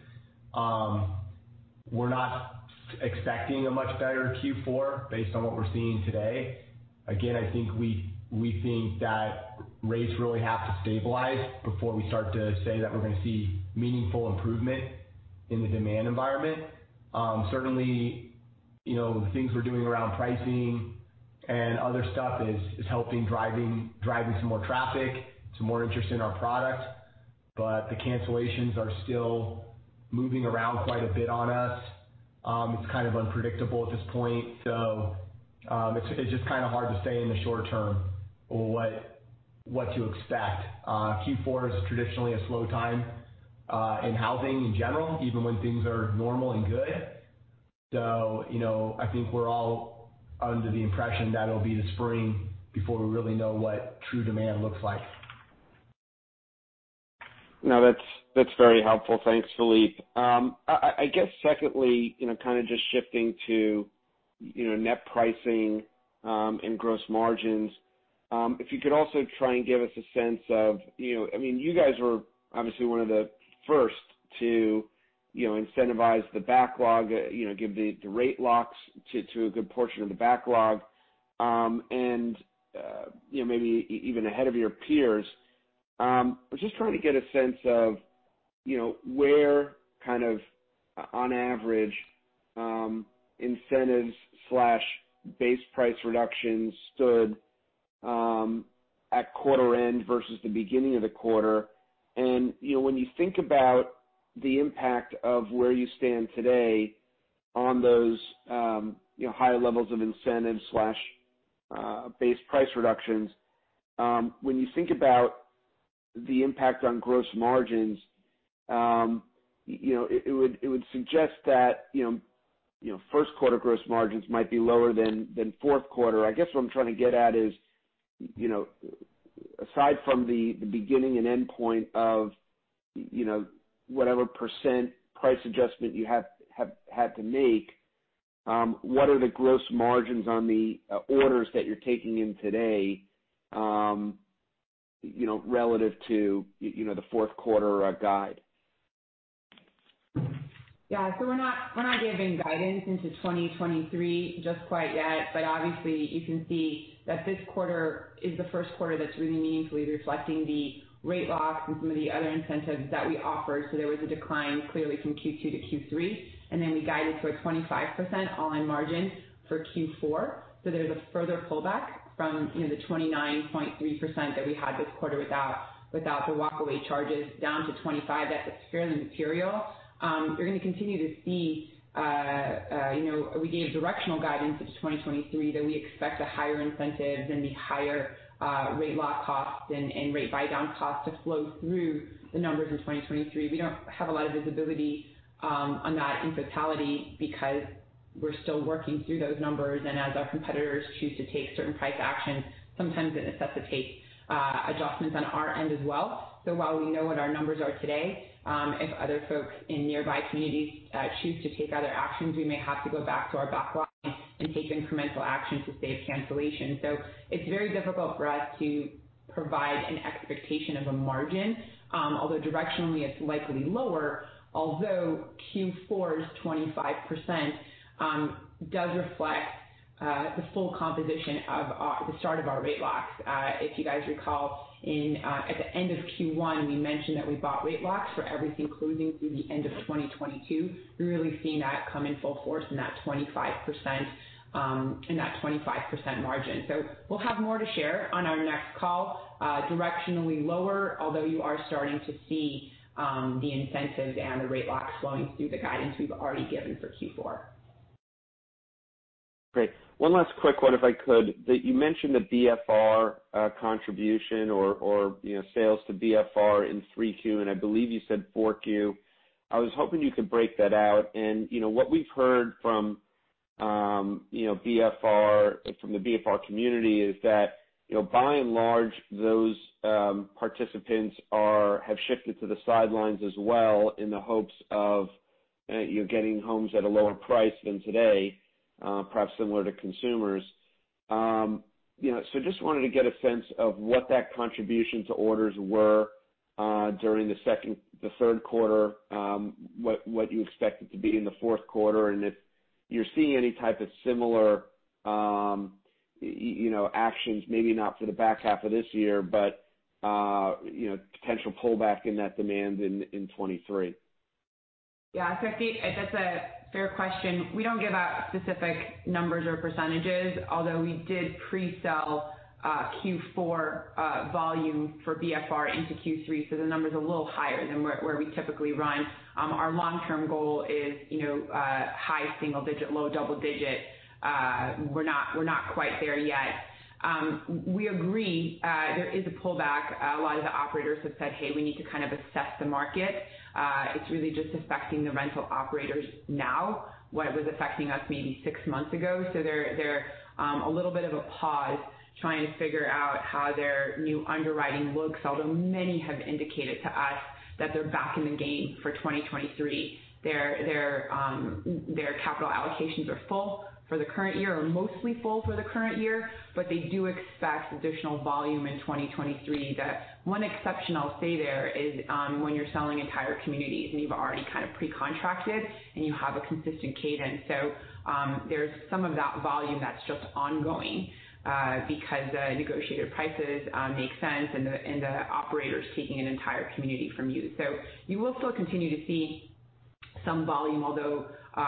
We're not expecting a much better Q4 based on what we're seeing today. Again, I think we think that rates really have to stabilize before we start to say that we're gonna see meaningful improvement in the demand environment. Certainly, you know, the things we're doing around pricing and other stuff is helping drive some more traffic, some more interest in our product, but the cancellations are still moving around quite a bit on us. It's kind of unpredictable at this point. It's just kind of hard to say in the short term what to expect. Q4 is traditionally a slow time in housing in general, even when things are normal and good. You know, I think we're all under the impression that it'll be the spring before we really know what true demand looks like. No, that's very helpful. Thanks, Phillippe. I guess secondly, you know, kind of just shifting to, you know, net pricing and gross margins. If you could also try and give us a sense of, you know, I mean, you guys were obviously one of the first to, you know, incentivize the backlog, you know, give the rate locks to a good portion of the backlog, and, you know, maybe even ahead of your peers. I was just trying to get a sense of. You know, where kind of on average, incentives slash base price reductions stood at quarter end versus the beginning of the quarter. You know, when you think about the impact of where you stand today on those, you know, higher levels of incentives slash base price reductions, when you think about the impact on gross margins, you know, it would suggest that, you know, first quarter gross margins might be lower than fourth quarter. I guess what I'm trying to get at is, you know, aside from the beginning and end point of, you know, whatever percent price adjustment you have had to make, what are the gross margins on the orders that you're taking in today, you know, relative to, you know, the fourth quarter guide? Yeah. We're not giving guidance into 2023 just quite yet. Obviously you can see that this quarter is the first quarter that's really meaningfully reflecting the rate locks and some of the other incentives that we offered. There was a decline clearly from Q2 to Q3, and then we guided to a 25% online margin for Q4. There's a further pullback from, you know, the 29.3% that we had this quarter without the walkaway charges down to 25%. That's fairly material. You're going to continue to see, you know, we gave directional guidance into 2023 that we expect the higher incentives and the higher rate lock costs and rate buy down costs to flow through the numbers in 2023. We don't have a lot of visibility on that in totality because we're still working through those numbers. As our competitors choose to take certain price actions, sometimes it necessitates adjustments on our end as well. While we know what our numbers are today, if other folks in nearby communities choose to take other actions, we may have to go back to our back lot and take incremental action to save cancellation. It's very difficult for us to provide an expectation of a margin, although directionally it's likely lower. Although Q4's 25% does reflect the full composition of the start of our rate locks. If you guys recall in at the end of Q1, we mentioned that we bought rate locks for everything closing through the end of 2022. You're really seeing that come in full force in that 25% margin. We'll have more to share on our next call, directionally lower, although you are starting to see the incentives and the rate locks flowing through the guidance we've already given for Q4. Great. One last quick one, if I could. That you mentioned the BFR contribution or, you know, sales to BFR in 3Q, and I believe you said 4Q. I was hoping you could break that out. You know, what we've heard from the BFR community is that, you know, by and large, those participants have shifted to the sidelines as well in the hopes of you getting homes at a lower price than today, perhaps similar to consumers. You know, just wanted to get a sense of what that contribution to orders were during the third quarter, what you expect it to be in the fourth quarter, and if you're seeing any type of similar, you know, actions, maybe not for the back half of this year, but you know, potential pullback in that demand in 2023. Yeah. I think that's a fair question. We don't give out specific numbers or percentages, although we did pre-sell Q4 volume for BFR into Q3. The numbers are a little higher than where we typically run. Our long-term goal is, you know, high single-digit, low double-digit. We're not quite there yet. We agree there is a pullback. A lot of the operators have said, "Hey, we need to kind of assess the market." It's really just affecting the rental operators now, what was affecting us maybe six months ago. They're a little bit of a pause trying to figure out how their new underwriting looks. Although many have indicated to us that they're back in the game for 2023. Their capital allocations are full for the current year, or mostly full for the current year, but they do expect additional volume in 2023. The one exception I'll say there is, when you're selling entire communities and you've already kind of pre-contracted and you have a consistent cadence. There's some of that volume that's just ongoing, because the negotiated prices make sense and the operator is taking an entire community from you. You will still continue to see some volume. Although,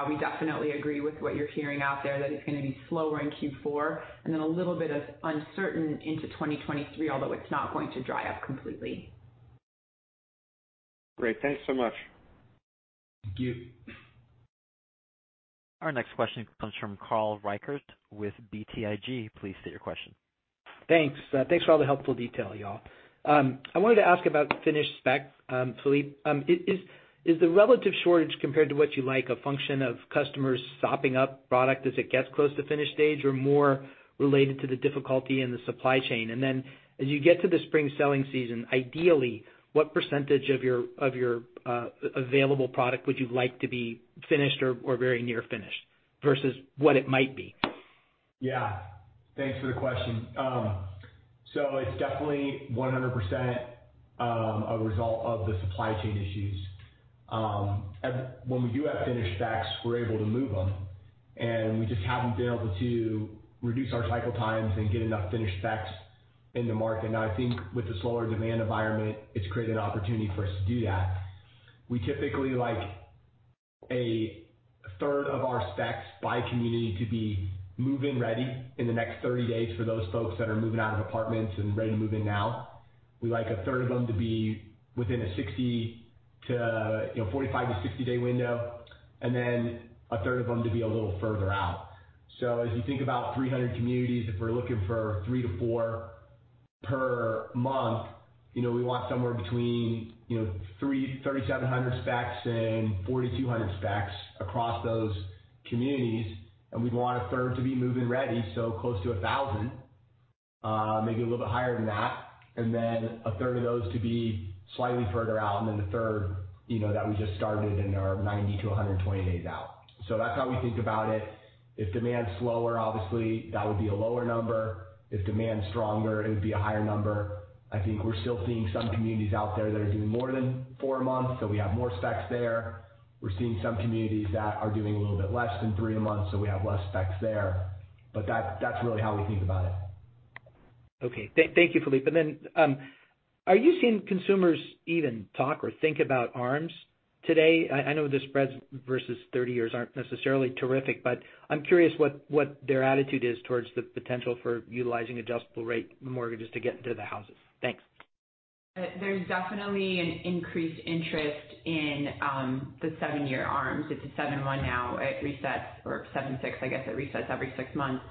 we definitely agree with what you're hearing out there, that it's going to be slower in Q4 and then a little bit of uncertainty into 2023, although it's not going to dry up completely. Great. Thanks so much. Thank you. Our next question comes from Carl Reichardt with BTIG. Please state your question. Thanks. Thanks for all the helpful detail, y'all. I wanted to ask about finished spec, Phillippe. Is the relative shortage compared to what you like a function of customers sopping up product as it gets close to finished stage or more related to the difficulty in the supply chain? As you get to the spring selling season, ideally, what percentage of your available product would you like to be finished or very near finished versus what it might be? Yeah, thanks for the question. So it's definitely 100%, a result of the supply chain issues. When we do have finished specs, we're able to move them, and we just haven't been able to reduce our cycle times and get enough finished specs in the market. Now, I think with the slower demand environment, it's created an opportunity for us to do that. We typically like 1/3 of our specs by community to be move-in ready in the next 30 days for those folks that are moving out of apartments and ready to move in now. We like 1/3 of them to be within a 45 to 60-day window, and then 1/3 of them to be a little further out. As you think about 300 communities, if we're looking for three to four per month, you know, we want somewhere between 3,700 and 4,200 specs across those communities. We'd want 1/3 to be move-in ready, so close to 1,000, maybe a little bit higher than that. Then 1/3 of those to be slightly further out. Then the third, you know, that we just started and are 90 to 120 days out. That's how we think about it. If demand's slower, obviously that would be a lower number. If demand's stronger, it would be a higher number. I think we're still seeing some communities out there that are doing more than four a month, so we have more specs there. We're seeing some communities that are doing a little bit less than three a month, so we have less specs there. That, that's really how we think about it. Thank you, Phillippe. Then, are you seeing consumers even talk or think about ARMs today? I know the spreads versus 30 years aren't necessarily terrific, but I'm curious what their attitude is towards the potential for utilizing adjustable rate mortgages to get into the houses. Thanks. There's definitely an increased interest in the seven-year ARMs. It's a 7/1 now. It resets or 7/6, I guess it resets every six months.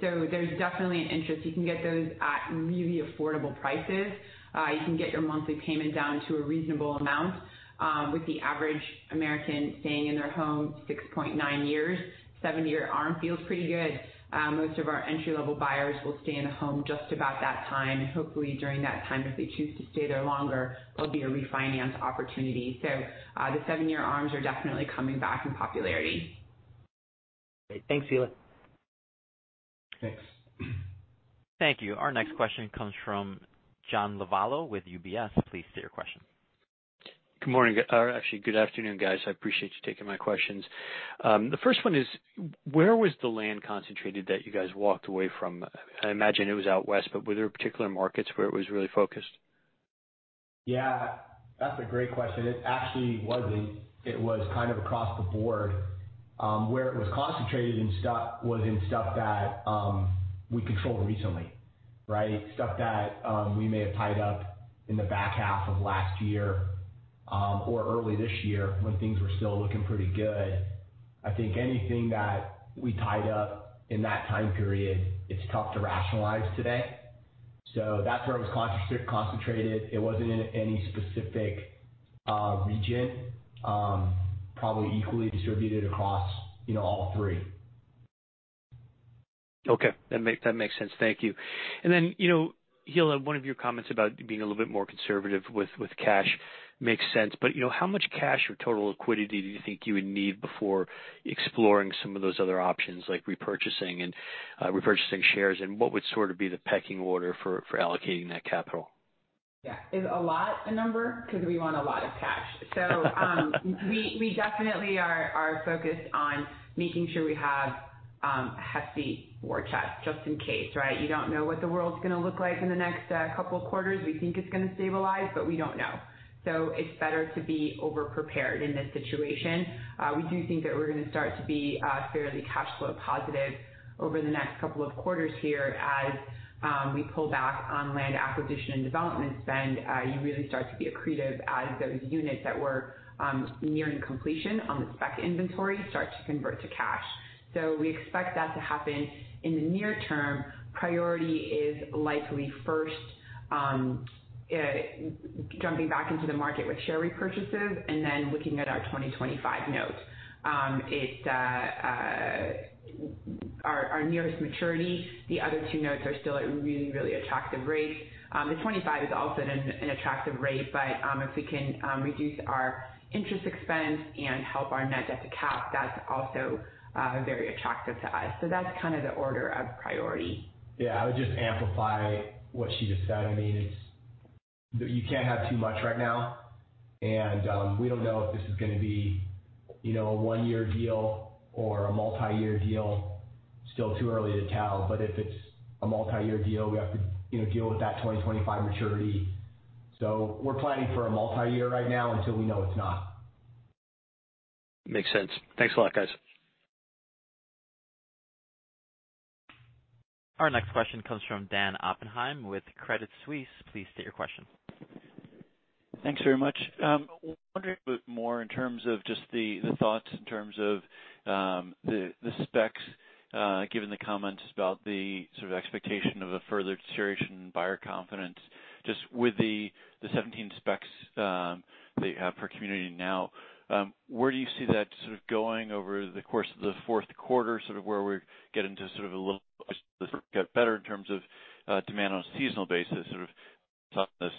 There's definitely an interest. You can get those at really affordable prices. You can get your monthly payment down to a reasonable amount. With the average American staying in their home 6.9 years, seven-year ARM feels pretty good. Most of our entry-level buyers will stay in a home just about that time. Hopefully during that time, if they choose to stay there longer, there'll be a refinance opportunity. The seven-year ARMs are definitely coming back in popularity. Great. Thanks, Hilla. Thanks. Thank you. Our next question comes from John Lovallo with UBS. Please state your question. Good morning. Or actually, good afternoon, guys. I appreciate you taking my questions. The first one is, where was the land concentrated that you guys walked away from? I imagine it was out west, but were there particular markets where it was really focused? Yeah, that's a great question. It actually wasn't. It was kind of across the board. Where it was concentrated was in stuff that we controlled recently, right? Stuff that we may have tied up in the back half of last year or early this year when things were still looking pretty good. I think anything that we tied up in that time period, it's tough to rationalize today. That's where it was concentrated. It wasn't in any specific region, probably equally distributed across, you know, all three. Okay. That makes sense. Thank you. You know, Hilla, one of your comments about being a little bit more conservative with cash makes sense, but, you know, how much cash or total liquidity do you think you would need before exploring some of those other options, like repurchasing shares? What would sort of be the pecking order for allocating that capital? Yeah. Is a lot a number? 'Cause we want a lot of cash. We definitely are focused on making sure we have a hefty war chest just in case, right? You don't know what the world's gonna look like in the next couple quarters. We think it's gonna stabilize, but we don't know. It's better to be over-prepared in this situation. We do think that we're gonna start to be fairly cash flow positive over the next couple of quarters here as we pull back on land acquisition and development spend. You really start to be accretive as those units that were nearing completion on the spec inventory start to convert to cash. We expect that to happen in the near term. Priority is likely first, jumping back into the market with share repurchases and then looking at our 2025 notes. It's our nearest maturity. The other two notes are still at really attractive rates. The 25% is also an attractive rate, but if we can reduce our interest expense and help our net debt to cap, that's also very attractive to us. That's kind of the order of priority. Yeah. I would just amplify what she just said. I mean, it's. You can't have too much right now. We don't know if this is gonna be, you know, a one-year deal or a multi-year deal. Still too early to tell. If it's a multi-year deal, we have to, you know, deal with that 2025 maturity. We're planning for a multi-year right now until we know it's not. Makes sense. Thanks a lot, guys. Our next question comes from Dan Oppenheim with Credit Suisse. Please state your question. Thanks very much. Wondering a bit more in terms of just the thoughts in terms of the specs, given the comments about the sort of expectation of a further deterioration in buyer confidence, just with the 17 specs that you have per community now, where do you see that sort of going over the course of the fourth quarter, sort of where we're getting to sort of a little bit better in terms of demand on a seasonal basis, sort of this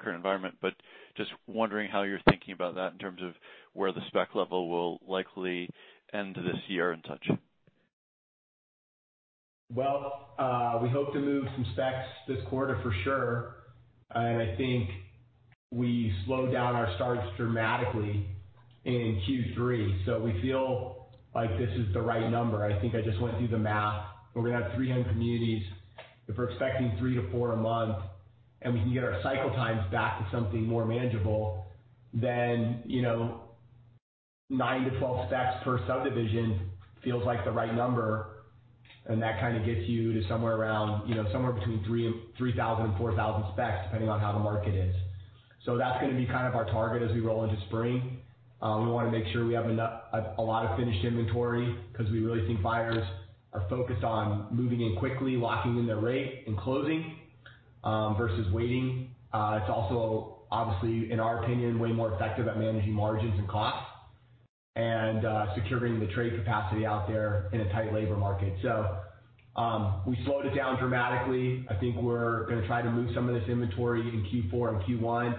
current environment? Just wondering how you're thinking about that in terms of where the spec level will likely end this year and such. We hope to move some specs this quarter for sure. I think we slowed down our starts dramatically in Q3. We feel like this is the right number. I think I just went through the math. We're gonna have 300 communities. If we're expecting three to four a month and we can get our cycle times back to something more manageable, then, you know, nine to 12 specs per subdivision feels like the right number. That kind of gets you to somewhere around, you know, somewhere between 3,000-4,000 specs, depending on how the market is. That's gonna be kind of our target as we roll into spring. We wanna make sure we have enough, a lot of finished inventory because we really think buyers are focused on moving in quickly, locking in their rate, and closing versus waiting. It's also, obviously, in our opinion, way more effective at managing margins and costs and securing the trade capacity out there in a tight labor market. We slowed it down dramatically. I think we're gonna try to move some of this inventory in Q4 and Q1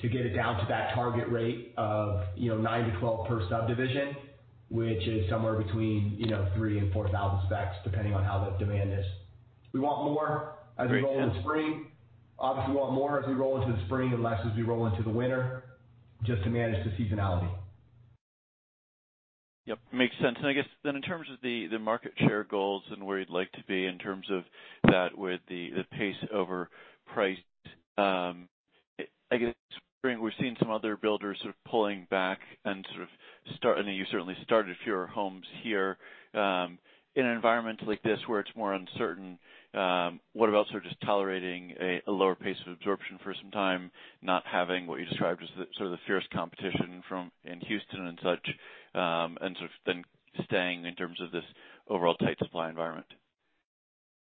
to get it down to that target rate of, you know, nine to 12 per subdivision, which is somewhere between, you know, 3,000-4,000 specs, depending on how the demand is. We want more as we roll into spring. Obviously, we want more as we roll into the spring and less as we roll into the winter, just to manage the seasonality. Yep, makes sense. I guess then in terms of the market share goals and where you'd like to be in terms of that with the pace over price, I guess we're seeing some other builders sort of pulling back and I know you certainly started fewer homes here. In an environment like this where it's more uncertain, what about sort of just tolerating a lower pace of absorption for some time, not having what you described as the sort of fierce competition in Houston and such, and sort of then staying in terms of this overall tight supply environment?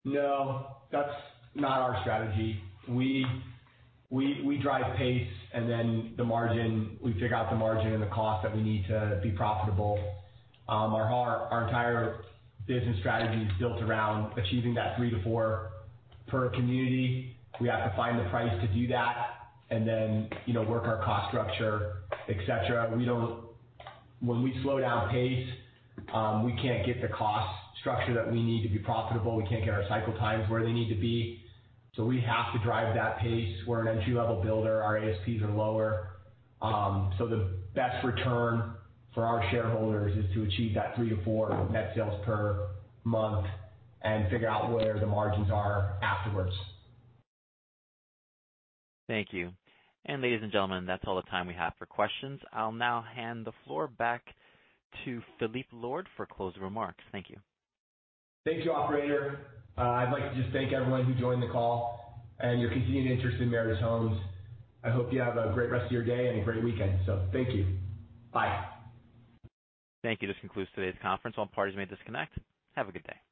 No, that's not our strategy. We drive pace and then the margin. We figure out the margin and the cost that we need to be profitable. Our entire business strategy is built around achieving that three to four per community. We have to find the price to do that and then, you know, work our cost structure, et cetera. We don't. When we slow down pace, we can't get the cost structure that we need to be profitable. We can't get our cycle times where they need to be. We have to drive that pace. We're an entry-level builder. Our ASPs are lower. The best return for our shareholders is to achieve that three to four net sales per month and figure out where the margins are afterwards. Thank you. Ladies and gentlemen, that's all the time we have for questions. I'll now hand the floor back to Phillippe Lord for closing remarks. Thank you. Thank you, operator. I'd like to just thank everyone who joined the call and your continued interest in Meritage Homes. I hope you have a great rest of your day and a great weekend. Thank you. Bye. Thank you. This concludes today's conference. All parties may disconnect. Have a good day.